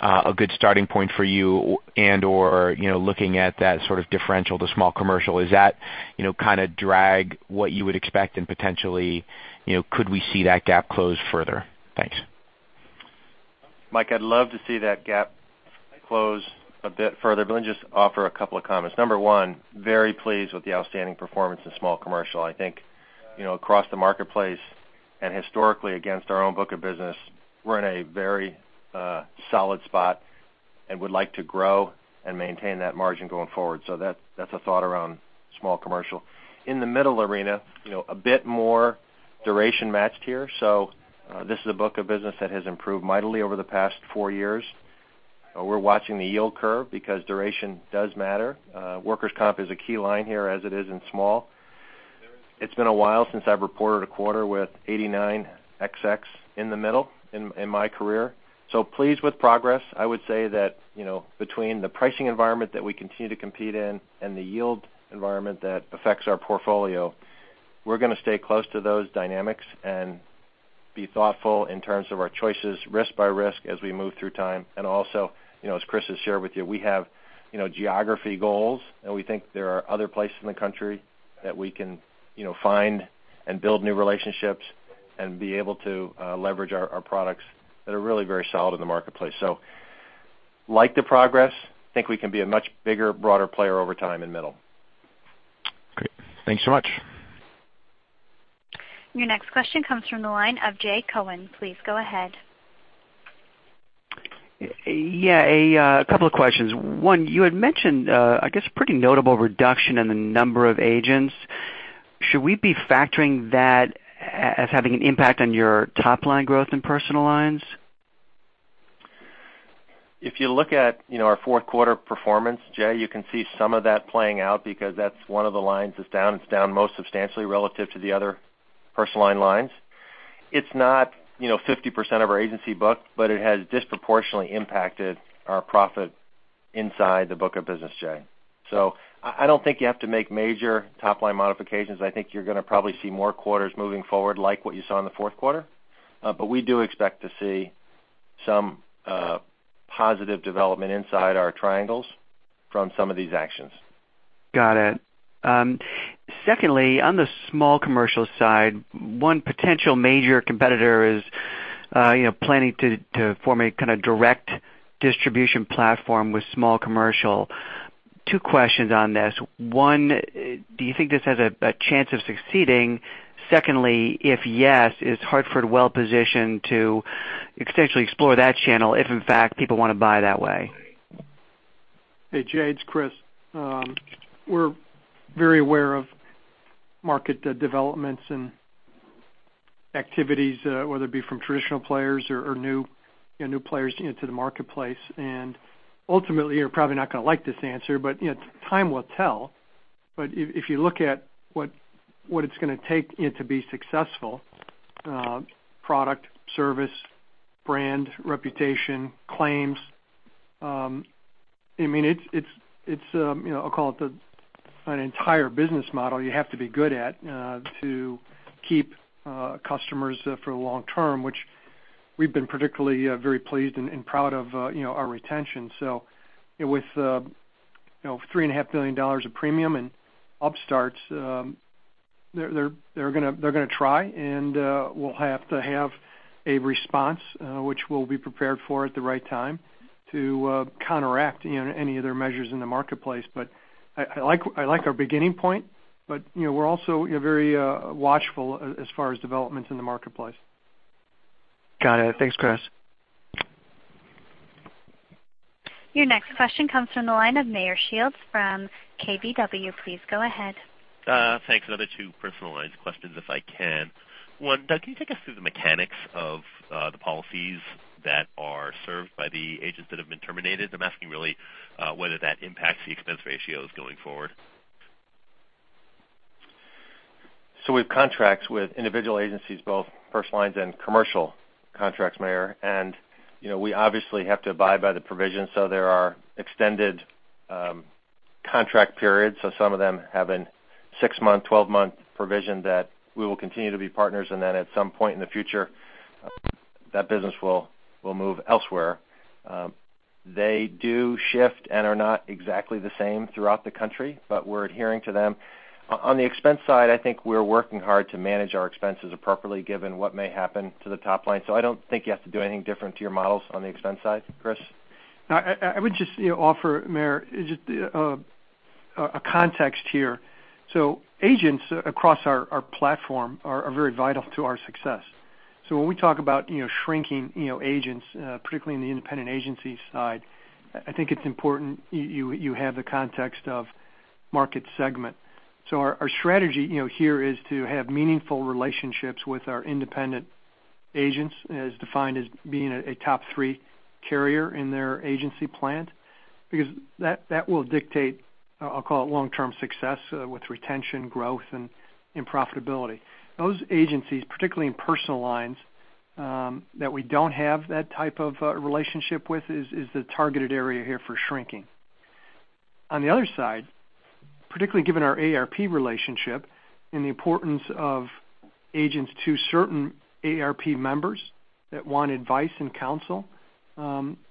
a good starting point for you and/or looking at that sort of differential to Small Commercial? Is that kind of drag what you would expect and potentially could we see that gap close further? Thanks. Michael, I'd love to see that gap close a bit further. Let me just offer a couple of comments. Number one, very pleased with the outstanding performance in Small Commercial. I think, across the marketplace and historically against our own book of business, we're in a very solid spot and would like to grow and maintain that margin going forward. That's a thought around Small Commercial. In the Middle arena, a bit more duration matched here. This is a book of business that has improved mightily over the past four years. We're watching the yield curve because duration does matter. Workers' comp is a key line here, as it is in Small. It's been a while since I've reported a quarter with 89 XX in the middle in my career. Pleased with progress. I would say that, between the pricing environment that we continue to compete in and the yield environment that affects our portfolio, we're going to stay close to those dynamics and be thoughtful in terms of our choices, risk by risk, as we move through time. Also, as Chris has shared with you, we have geography goals, and we think there are other places in the country that we can find and build new relationships and be able to leverage our products that are really very solid in the marketplace. Like the progress, think we can be a much bigger, broader player over time in Middle. Great. Thanks so much. Your next question comes from the line of Jay Cohen. Please go ahead. Yeah, a couple of questions. One, you had mentioned, I guess, pretty notable reduction in the number of agents. Should we be factoring that as having an impact on your top-line growth in personal lines? If you look at our fourth quarter performance, Jay, you can see some of that playing out because that's one of the lines that's down. It's down most substantially relative to the other personal lines. It's not 50% of our agency book, but it has disproportionately impacted our profit inside the book of business, Jay. I don't think you have to make major top-line modifications. I think you're going to probably see more quarters moving forward like what you saw in the fourth quarter. We do expect to see some positive development inside our triangles from some of these actions. Got it. Secondly, on the small commercial side, one potential major competitor is planning to form a kind of direct distribution platform with small commercial. Two questions on this. One, do you think this has a chance of succeeding? Secondly, if yes, is Hartford well-positioned to essentially explore that channel if in fact people want to buy that way? Hey, Jay, it's Chris. We're very aware of market developments and activities, whether it be from traditional players or new players into the marketplace. Ultimately, you're probably not going to like this answer, but time will tell. If you look at what it's going to take to be successful, product, service, brand, reputation, claims, I'll call it an entire business model you have to be good at to keep customers for the long term, which we've been particularly very pleased and proud of our retention. With $3.5 billion of premium and upstarts, they're going to try, and we'll have to have a response, which we'll be prepared for at the right time to counteract any of their measures in the marketplace. I like our beginning point, but we're also very watchful as far as developments in the marketplace. Got it. Thanks, Chris. Your next question comes from the line of Meyer Shields from KBW. Please go ahead. Thanks. Another two personal lines questions, if I can. One, Doug, can you take us through the mechanics of the policies that are served by the agents that have been terminated? I'm asking really whether that impacts the expense ratios going forward. We have contracts with individual agencies, both personal lines and commercial contracts, Meyer, and we obviously have to abide by the provisions. There are extended contract periods. Some of them have a six-month, 12-month provision that we will continue to be partners, and then at some point in the future that business will move elsewhere. They do shift and are not exactly the same throughout the country, but we're adhering to them. On the expense side, I think we're working hard to manage our expenses appropriately given what may happen to the top line. I don't think you have to do anything different to your models on the expense side. Chris? I would just offer, Meyer, a context here. Agents across our platform are very vital to our success. When we talk about shrinking agents, particularly in the independent agency side, I think it's important you have the context of market segment. Our strategy here is to have meaningful relationships with our independent agents as defined as being a top three carrier in their agency plan, because that will dictate, I'll call it long-term success with retention, growth, and profitability. Those agencies, particularly in personal lines, that we don't have that type of relationship with is the targeted area here for shrinking. On the other side, particularly given our AARP relationship and the importance of agents to certain AARP members that want advice and counsel,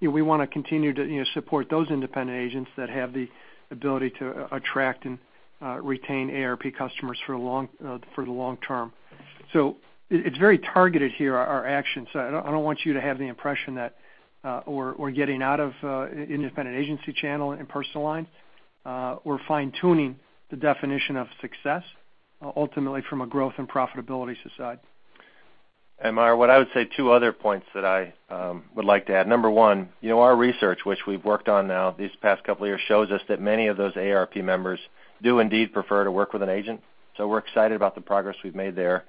we want to continue to support those independent agents that have the ability to attract and retain AARP customers for the long term. It's very targeted here, our actions. I don't want you to have the impression that we're getting out of independent agency channel and personal lines. We're fine-tuning the definition of success, ultimately from a growth and profitability side. Meyer, what I would say, two other points that I would like to add. Number one, our research, which we've worked on now these past couple of years, shows us that many of those AARP members do indeed prefer to work with an agent. We're excited about the progress we've made there.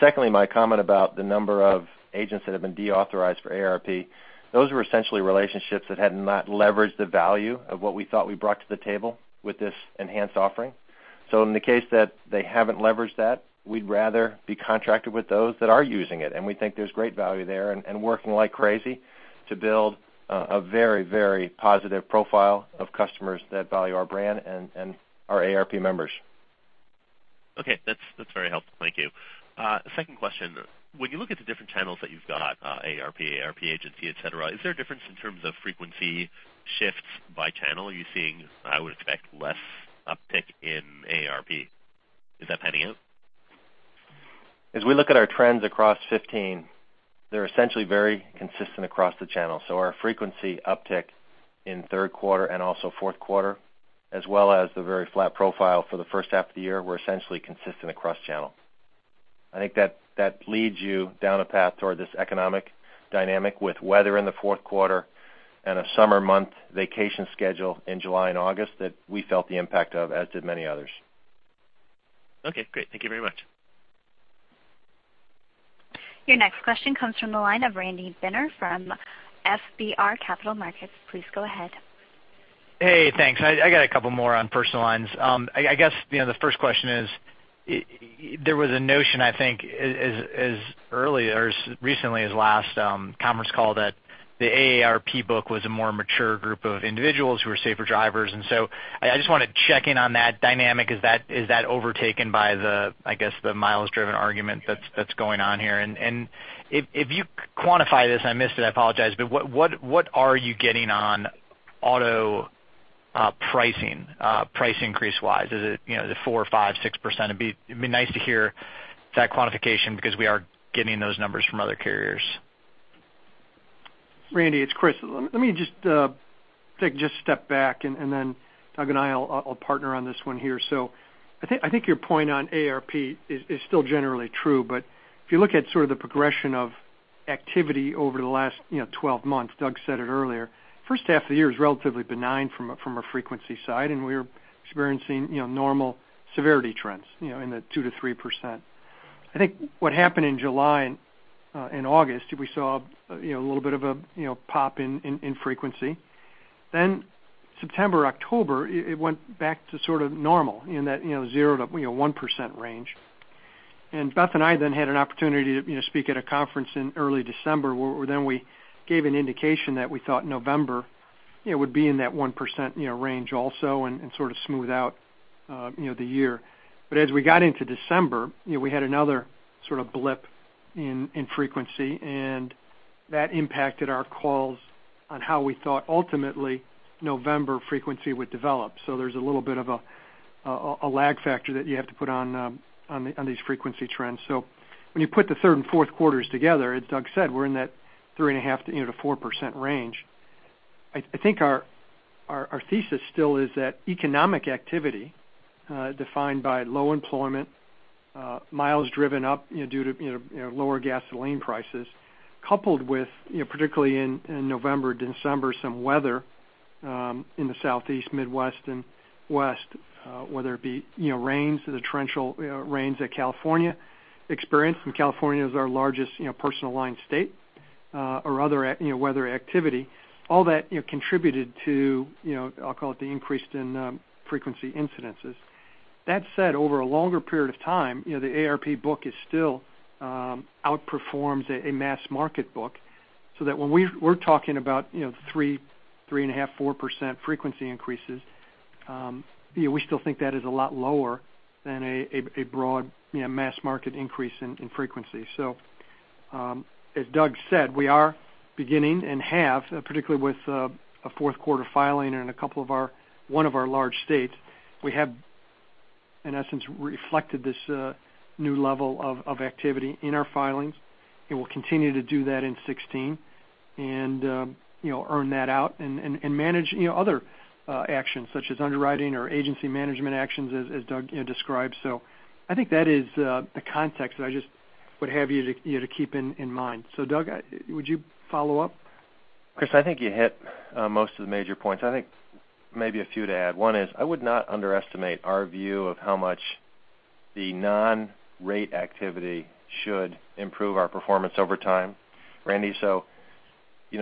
Secondly, my comment about the number of agents that have been deauthorized for AARP, those were essentially relationships that had not leveraged the value of what we thought we brought to the table with this enhanced offering. In the case that they haven't leveraged that, we'd rather be contracted with those that are using it, and we think there's great value there and working like crazy to build a very positive profile of customers that value our brand and our AARP members. Okay. That's very helpful. Thank you. Second question. When you look at the different channels that you've got, AARP Agency, et cetera, is there a difference in terms of frequency shifts by channel? Are you seeing, I would expect, less uptick in AARP? Is that panning out? As we look at our trends across 2015, they're essentially very consistent across the channel. Our frequency uptick in third quarter and also fourth quarter, as well as the very flat profile for the first half of the year, we're essentially consistent across channel. I think that leads you down a path toward this economic dynamic with weather in the fourth quarter and a summer month vacation schedule in July and August that we felt the impact of, as did many others. Okay, great. Thank you very much. Your next question comes from the line of Randy Binner from FBR Capital Markets. Please go ahead. Hey, thanks. I got a couple more on personal lines. I guess the first question is, there was a notion, I think, as early or as recently as last conference call that the AARP book was a more mature group of individuals who are safer drivers. I just want to check in on that dynamic. Is that overtaken by the miles-driven argument that's going on here? If you quantify this, I missed it, I apologize, but what are you getting on auto pricing, price increase-wise? Is it 4%, 5%, 6%? It'd be nice to hear that quantification because we are getting those numbers from other carriers. Randy, it's Chris. Let me just take a step back, Doug and I will partner on this one here. I think your point on AARP is still generally true. If you look at sort of the progression of activity over the last 12 months, Doug said it earlier, first half of the year is relatively benign from a frequency side, and we're experiencing normal severity trends in the 2%-3%. I think what happened in July and August, we saw a little bit of a pop in frequency. September, October, it went back to sort of normal in that 0%-1% range. Beth and I then had an opportunity to speak at a conference in early December, where then we gave an indication that we thought November would be in that 1% range also and sort of smooth out the year. As we got into December, we had another sort of blip in frequency, that impacted our calls on how we thought ultimately November frequency would develop. There's a little bit of a lag factor that you have to put on these frequency trends. When you put the third and fourth quarters together, as Doug said, we're in that 3.5%-4% range. I think our thesis still is that economic activity, defined by low employment, miles driven up due to lower gasoline prices, coupled with, particularly in November, December, some weather in the Southeast, Midwest, and West, whether it be rains or the torrential rains that California experienced, and California is our largest personal line state or other weather activity, all that contributed to, I'll call it the increase in frequency incidences. That said, over a longer period of time, the AARP book still outperforms a mass market book. When we're talking about 3.5%, 4% frequency increases, we still think that is a lot lower than a broad mass market increase in frequency. As Doug said, we are beginning and have, particularly with a fourth quarter filing in one of our large states, we have, in essence, reflected this new level of activity in our filings, and we will continue to do that in 2016, and earn that out, and manage other actions such as underwriting or agency management actions as Doug described. I think that is the context that I just would have you to keep in mind. Doug, would you follow up? Chris, I think you hit most of the major points. I think maybe a few to add. One is, I would not underestimate our view of how much the non-rate activity should improve our performance over time, Randy.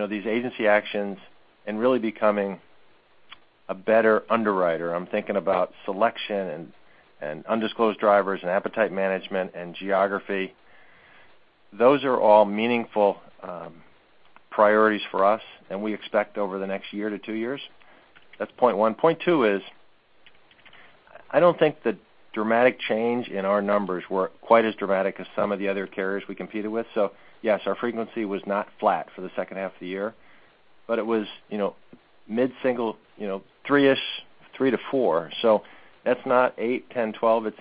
These agency actions and really becoming a better underwriter, I'm thinking about selection and undisclosed drivers and appetite management and geography. Those are all meaningful priorities for us, and we expect over the next year to two years. That's point one. Point two is, I don't think the dramatic change in our numbers were quite as dramatic as some of the other carriers we competed with. Yes, our frequency was not flat for the second half of the year, but it was mid-single, 3 to 4. That's not eight, 10, 12.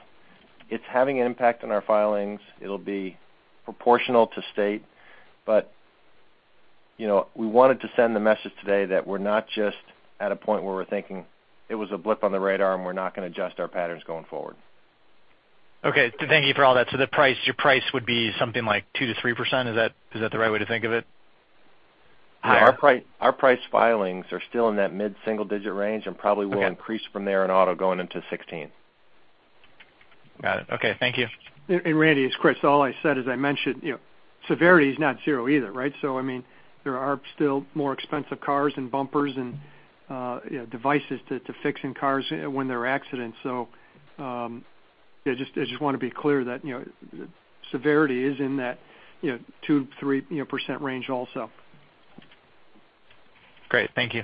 It's having an impact on our filings. It'll be proportional to state. We wanted to send the message today that we're not just at a point where we're thinking it was a blip on the radar, and we're not going to adjust our patterns going forward. Okay. Thank you for all that. Your price would be something like 2%-3%? Is that the right way to think of it? Our price filings are still in that mid-single digit range and probably will increase from there in auto going into 2016. Got it. Okay. Thank you. Randy, as Chris, all I said is I mentioned, severity is not zero either. There are still more expensive cars and bumpers and devices to fix in cars when there are accidents. I just want to be clear that severity is in that 2%, 3% range also. Great. Thank you.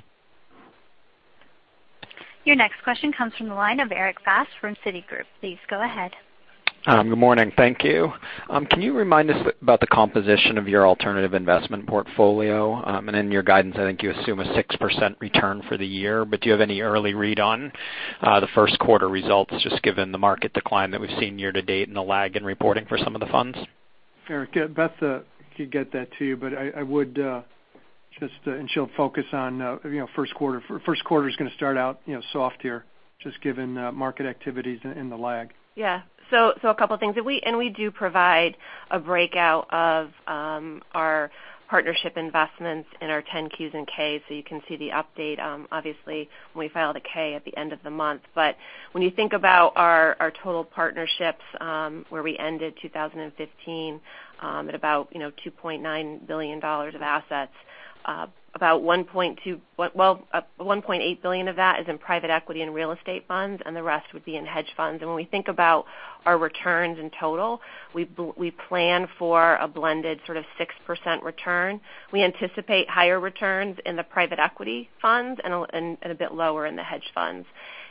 Your next question comes from the line of Erik Bass from Citigroup. Please go ahead. Good morning. Thank you. Can you remind us about the composition of your alternative investment portfolio? In your guidance, I think you assume a 6% return for the year, but do you have any early read on the first quarter results, just given the market decline that we've seen year to date and the lag in reporting for some of the funds? Erik, Beth could get that to you, and she'll focus on first quarter. First quarter's going to start out soft here, just given market activities and the lag. Yeah. A couple of things. We do provide a breakout of our partnership investments in our 10-Qs and Ks, so you can see the update. Obviously, when we filed a K at the end of the month. When you think about our total partnerships, where we ended 2015 at about $2.9 billion of assets, about $1.8 billion of that is in private equity and real estate funds, and the rest would be in hedge funds. When we think about our returns in total, we plan for a blended sort of 6% return. We anticipate higher returns in the private equity funds and a bit lower in the hedge funds.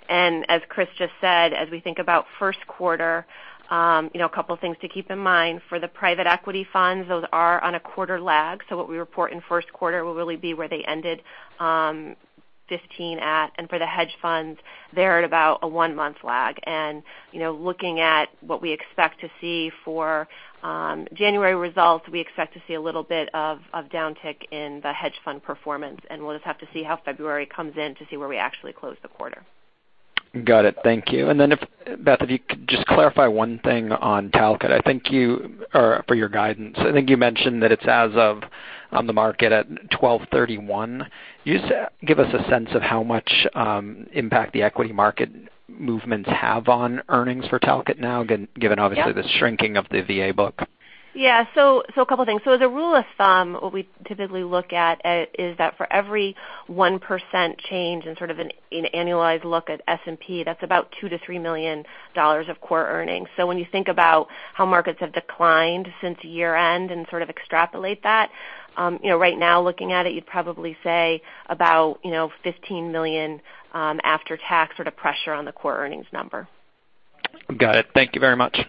As Chris just said, as we think about first quarter, a couple of things to keep in mind. For the private equity funds, those are on a quarter lag. What we report in first quarter will really be where they ended 2015 at. For the hedge funds, they're at about a one-month lag. Looking at what we expect to see for January results, we expect to see a little bit of downtick in the hedge fund performance, and we'll just have to see how February comes in to see where we actually close the quarter. Got it. Thank you. If, Beth, if you could just clarify one thing on Talcott for your guidance. I think you mentioned that it's as of the market at 12/31. Can you give us a sense of how much impact the equity market movements have on earnings for Talcott now, given obviously the shrinking of the VA book? Yeah. A couple of things. As a rule of thumb, what we typically look at is that for every 1% change in sort of an annualized look at S&P, that's about $2 million to $3 million of core earnings. When you think about how markets have declined since year-end and sort of extrapolate that, right now looking at it, you'd probably say about $15 million after-tax sort of pressure on the core earnings number. Got it. Thank you very much.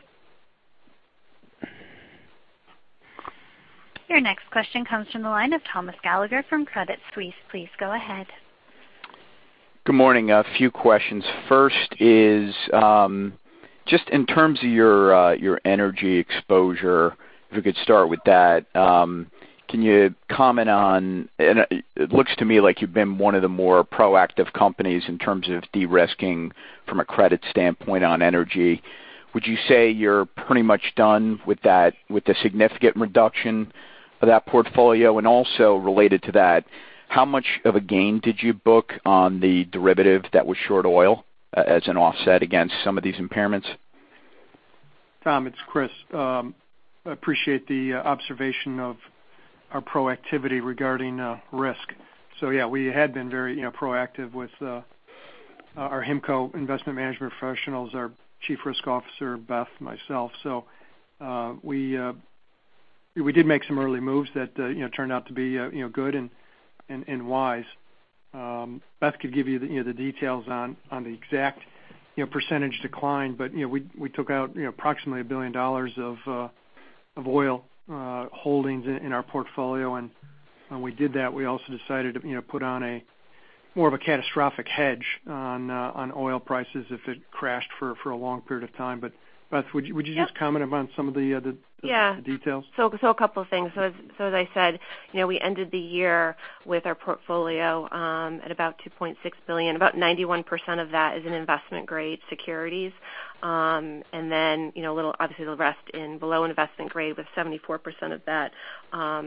Your next question comes from the line of Thomas Gallagher from Credit Suisse. Please go ahead. Good morning. A few questions. First is, just in terms of your energy exposure, if we could start with that. It looks to me like you've been one of the more proactive companies in terms of de-risking from a credit standpoint on energy. Would you say you're pretty much done with the significant reduction of that portfolio? Also related to that, how much of a gain did you book on the derivative that was short oil as an offset against some of these impairments? Tom, it's Chris. I appreciate the observation of our proactivity regarding risk. Yeah, we had been very proactive with Our HIMCO investment management professionals, our Chief Risk Officer, Beth, myself. We did make some early moves that turned out to be good and wise. Beth could give you the details on the exact percentage decline, but we took out approximately $1 billion of oil holdings in our portfolio. When we did that, we also decided to put on a more of a catastrophic hedge on oil prices if it crashed for a long period of time. Beth, would you just comment upon some of the details? Yeah. A couple of things. As I said, we ended the year with our portfolio at about $2.6 billion. About 91% of that is in investment-grade securities. Obviously the rest in below investment grade, with 74% of that at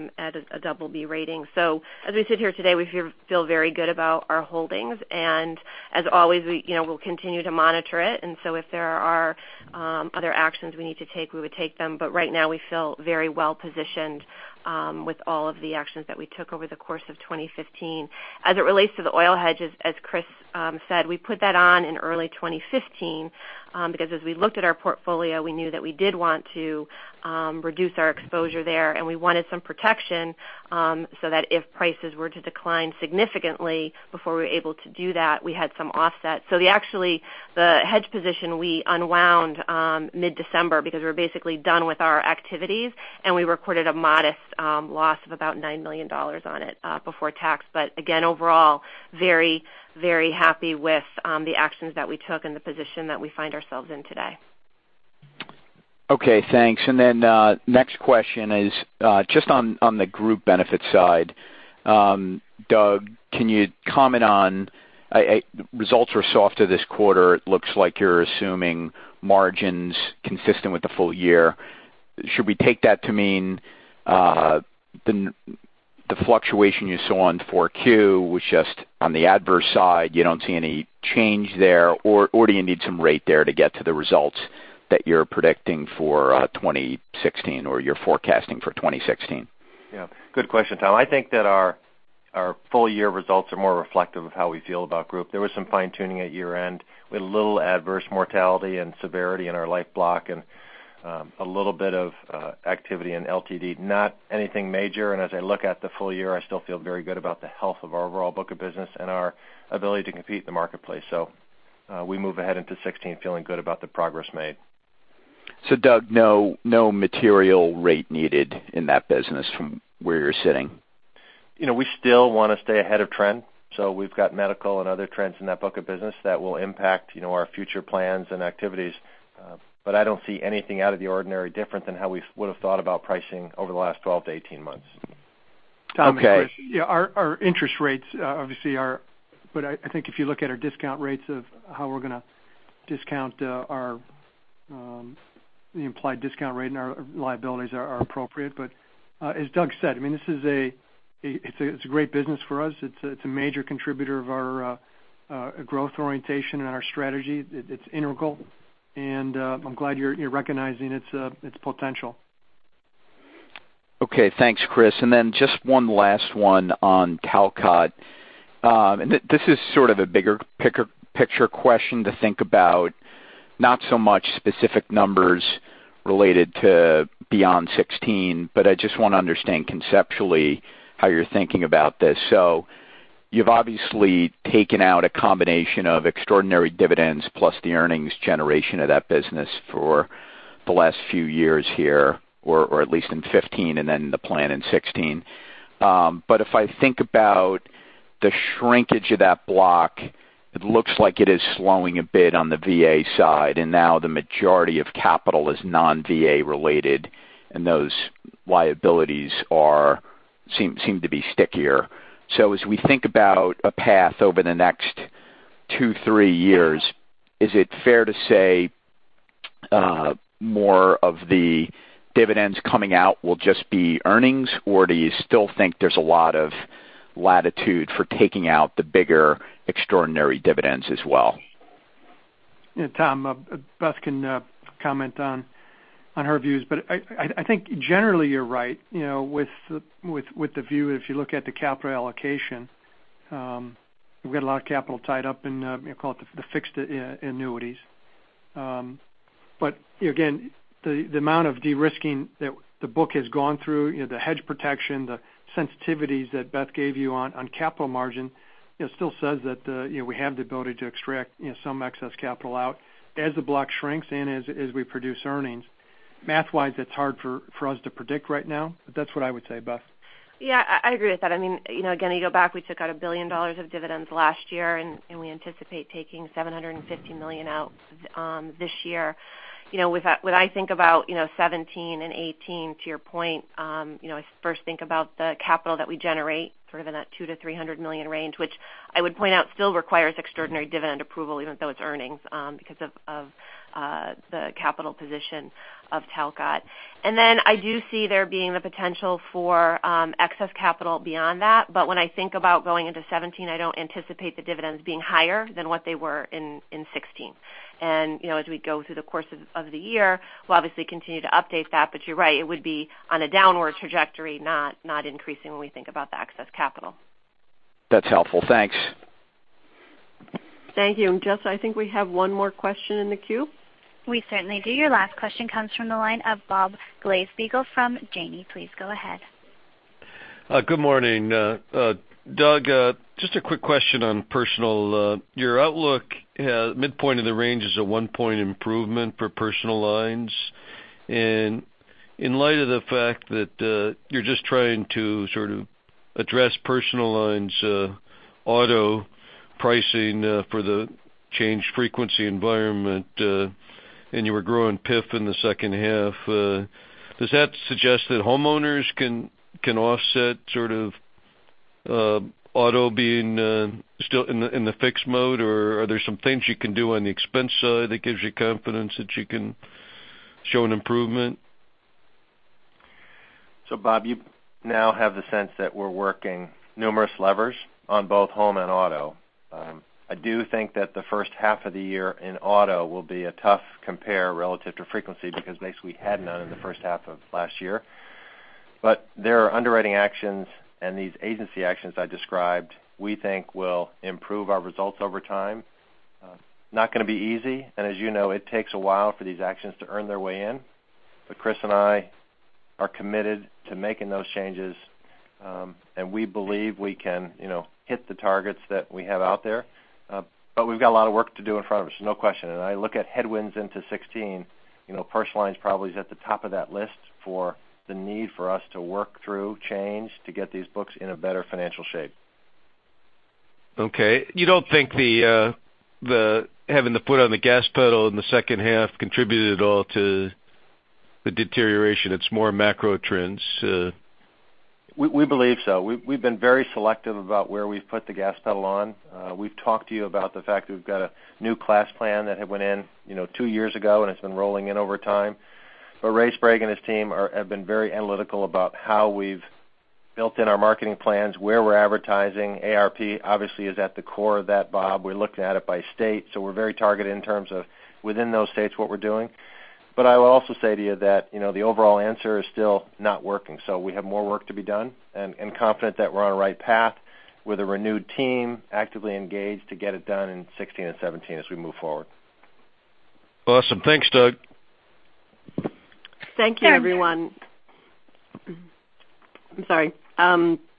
a BB rating. As we sit here today, we feel very good about our holdings. As always, we'll continue to monitor it. If there are other actions we need to take, we would take them. Right now, we feel very well-positioned with all of the actions that we took over the course of 2015. As it relates to the oil hedges, as Chris said, we put that on in early 2015, because as we looked at our portfolio, we knew that we did want to reduce our exposure there, and we wanted some protection, so that if prices were to decline significantly before we were able to do that, we had some offset. Actually, the hedge position we unwound mid-December because we were basically done with our activities, and we recorded a modest loss of about $9 million on it before tax. Again, overall, very happy with the actions that we took and the position that we find ourselves in today. Okay, thanks. Then next question is just on the group benefit side. Doug, can you comment on, results were softer this quarter, it looks like you're assuming margins consistent with the full year. Should we take that to mean the fluctuation you saw in 4Q was just on the adverse side, you don't see any change there? Do you need some rate there to get to the results that you're predicting for 2016 or you're forecasting for 2016? Yeah. Good question, Tom. I think that our full-year results are more reflective of how we feel about group. There was some fine-tuning at year-end, with a little adverse mortality and severity in our life block and a little bit of activity in LTD. Not anything major, and as I look at the full year, I still feel very good about the health of our overall book of business and our ability to compete in the marketplace. We move ahead into 2016 feeling good about the progress made. Doug, no material rate needed in that business from where you're sitting? We still want to stay ahead of trend. We've got medical and other trends in that book of business that will impact our future plans and activities. I don't see anything out of the ordinary different than how we would've thought about pricing over the last 12 to 18 months. Okay. Tom, it's Chris. Our interest rates obviously are, I think if you look at our discount rates of how we're going to discount our implied discount rate and our liabilities are appropriate. As Doug Elliot said, it's a great business for us. It's a major contributor of our growth orientation and our strategy. It's integral, and I'm glad you're recognizing its potential. Okay, thanks, Chris. Just one last one on Talcott. This is sort of a bigger picture question to think about, not so much specific numbers related to beyond 2016, I just want to understand conceptually how you're thinking about this. You've obviously taken out a combination of extraordinary dividends plus the earnings generation of that business for the last few years here, or at least in 2015, and then the plan in 2016. If I think about the shrinkage of that block, it looks like it is slowing a bit on the VA side, and now the majority of capital is non-VA related and those liabilities seem to be stickier. As we think about a path over the next two, three years, is it fair to say more of the dividends coming out will just be earnings, or do you still think there's a lot of latitude for taking out the bigger extraordinary dividends as well? Tom, Beth can comment on her views, I think generally you're right. With the view, if you look at the capital allocation, we've got a lot of capital tied up in, call it, the fixed annuities. Again, the amount of de-risking that the book has gone through, the hedge protection, the sensitivities that Beth gave you on capital margin still says that we have the ability to extract some excess capital out as the block shrinks and as we produce earnings. Math-wise, it's hard for us to predict right now, but that's what I would say. Beth? Yeah, I agree with that. Again, you go back, we took out $1 billion of dividends last year, we anticipate taking $750 million out this year. When I think about 2017 and 2018, to your point, I first think about the capital that we generate, sort of in that $200 million-$300 million range, which I would point out still requires extraordinary dividend approval even though it's earnings because of the capital position of Talcott Resolution. I do see there being the potential for excess capital beyond that, when I think about going into 2017, I don't anticipate the dividends being higher than what they were in 2016. As we go through the course of the year, we'll obviously continue to update that. You're right, it would be on a downward trajectory, not increasing when we think about the excess capital. That's helpful. Thanks. Thank you. Jessa, I think we have one more question in the queue. We certainly do. Your last question comes from the line of Bob Glasspiegel from Janney. Please go ahead. Good morning. Doug, just a quick question on personal. Your outlook midpoint of the range is a one-point improvement for personal lines. In light of the fact that you're just trying to sort of address personal lines auto pricing for the changed frequency environment, you were growing PIF in the second half, does that suggest that homeowners can offset auto being still in the fixed mode? Are there some things you can do on the expense side that gives you confidence that you can show an improvement? Bob, you now have the sense that we're working numerous levers on both home and auto. I do think that the first half of the year in auto will be a tough compare relative to frequency, because basically we had none in the first half of last year. There are underwriting actions and these agency actions I described, we think will improve our results over time. Not going to be easy, as you know, it takes a while for these actions to earn their way in. Chris and I are committed to making those changes, we believe we can hit the targets that we have out there. We've got a lot of work to do in front of us, no question. I look at headwinds into 2016, personal lines probably is at the top of that list for the need for us to work through change to get these books in a better financial shape. Okay. You don't think having the foot on the gas pedal in the second half contributed at all to the deterioration, it's more macro trends? We believe so. We've been very selective about where we've put the gas pedal on. We've talked to you about the fact that we've got a new class plan that had went in two years ago, and it's been rolling in over time. Ray Sprague and his team have been very analytical about how we've built in our marketing plans, where we're advertising. AARP obviously is at the core of that, Bob. We looked at it by state, we're very targeted in terms of within those states, what we're doing. I will also say to you that the overall answer is still not working. We have more work to be done and confident that we're on the right path with a renewed team actively engaged to get it done in 2016 and 2017 as we move forward. Awesome. Thanks, Doug. Thank you, everyone. I'm sorry.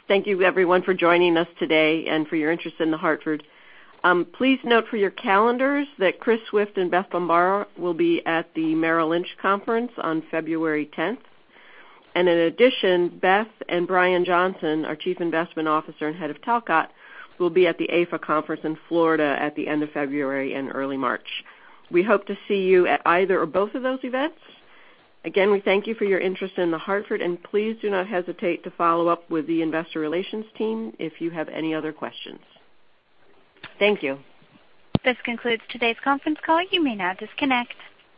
Thank you, everyone, for joining us today and for your interest in The Hartford. Please note for your calendars that Chris Swift and Beth Bombara will be at the Merrill Lynch conference on February 10th. In addition, Beth and Brion Johnson, our Chief Investment Officer and head of Talcott, will be at the AFA conference in Florida at the end of February and early March. We hope to see you at either or both of those events. Again, we thank you for your interest in The Hartford, and please do not hesitate to follow up with the investor relations team if you have any other questions. Thank you. This concludes today's conference call. You may now disconnect.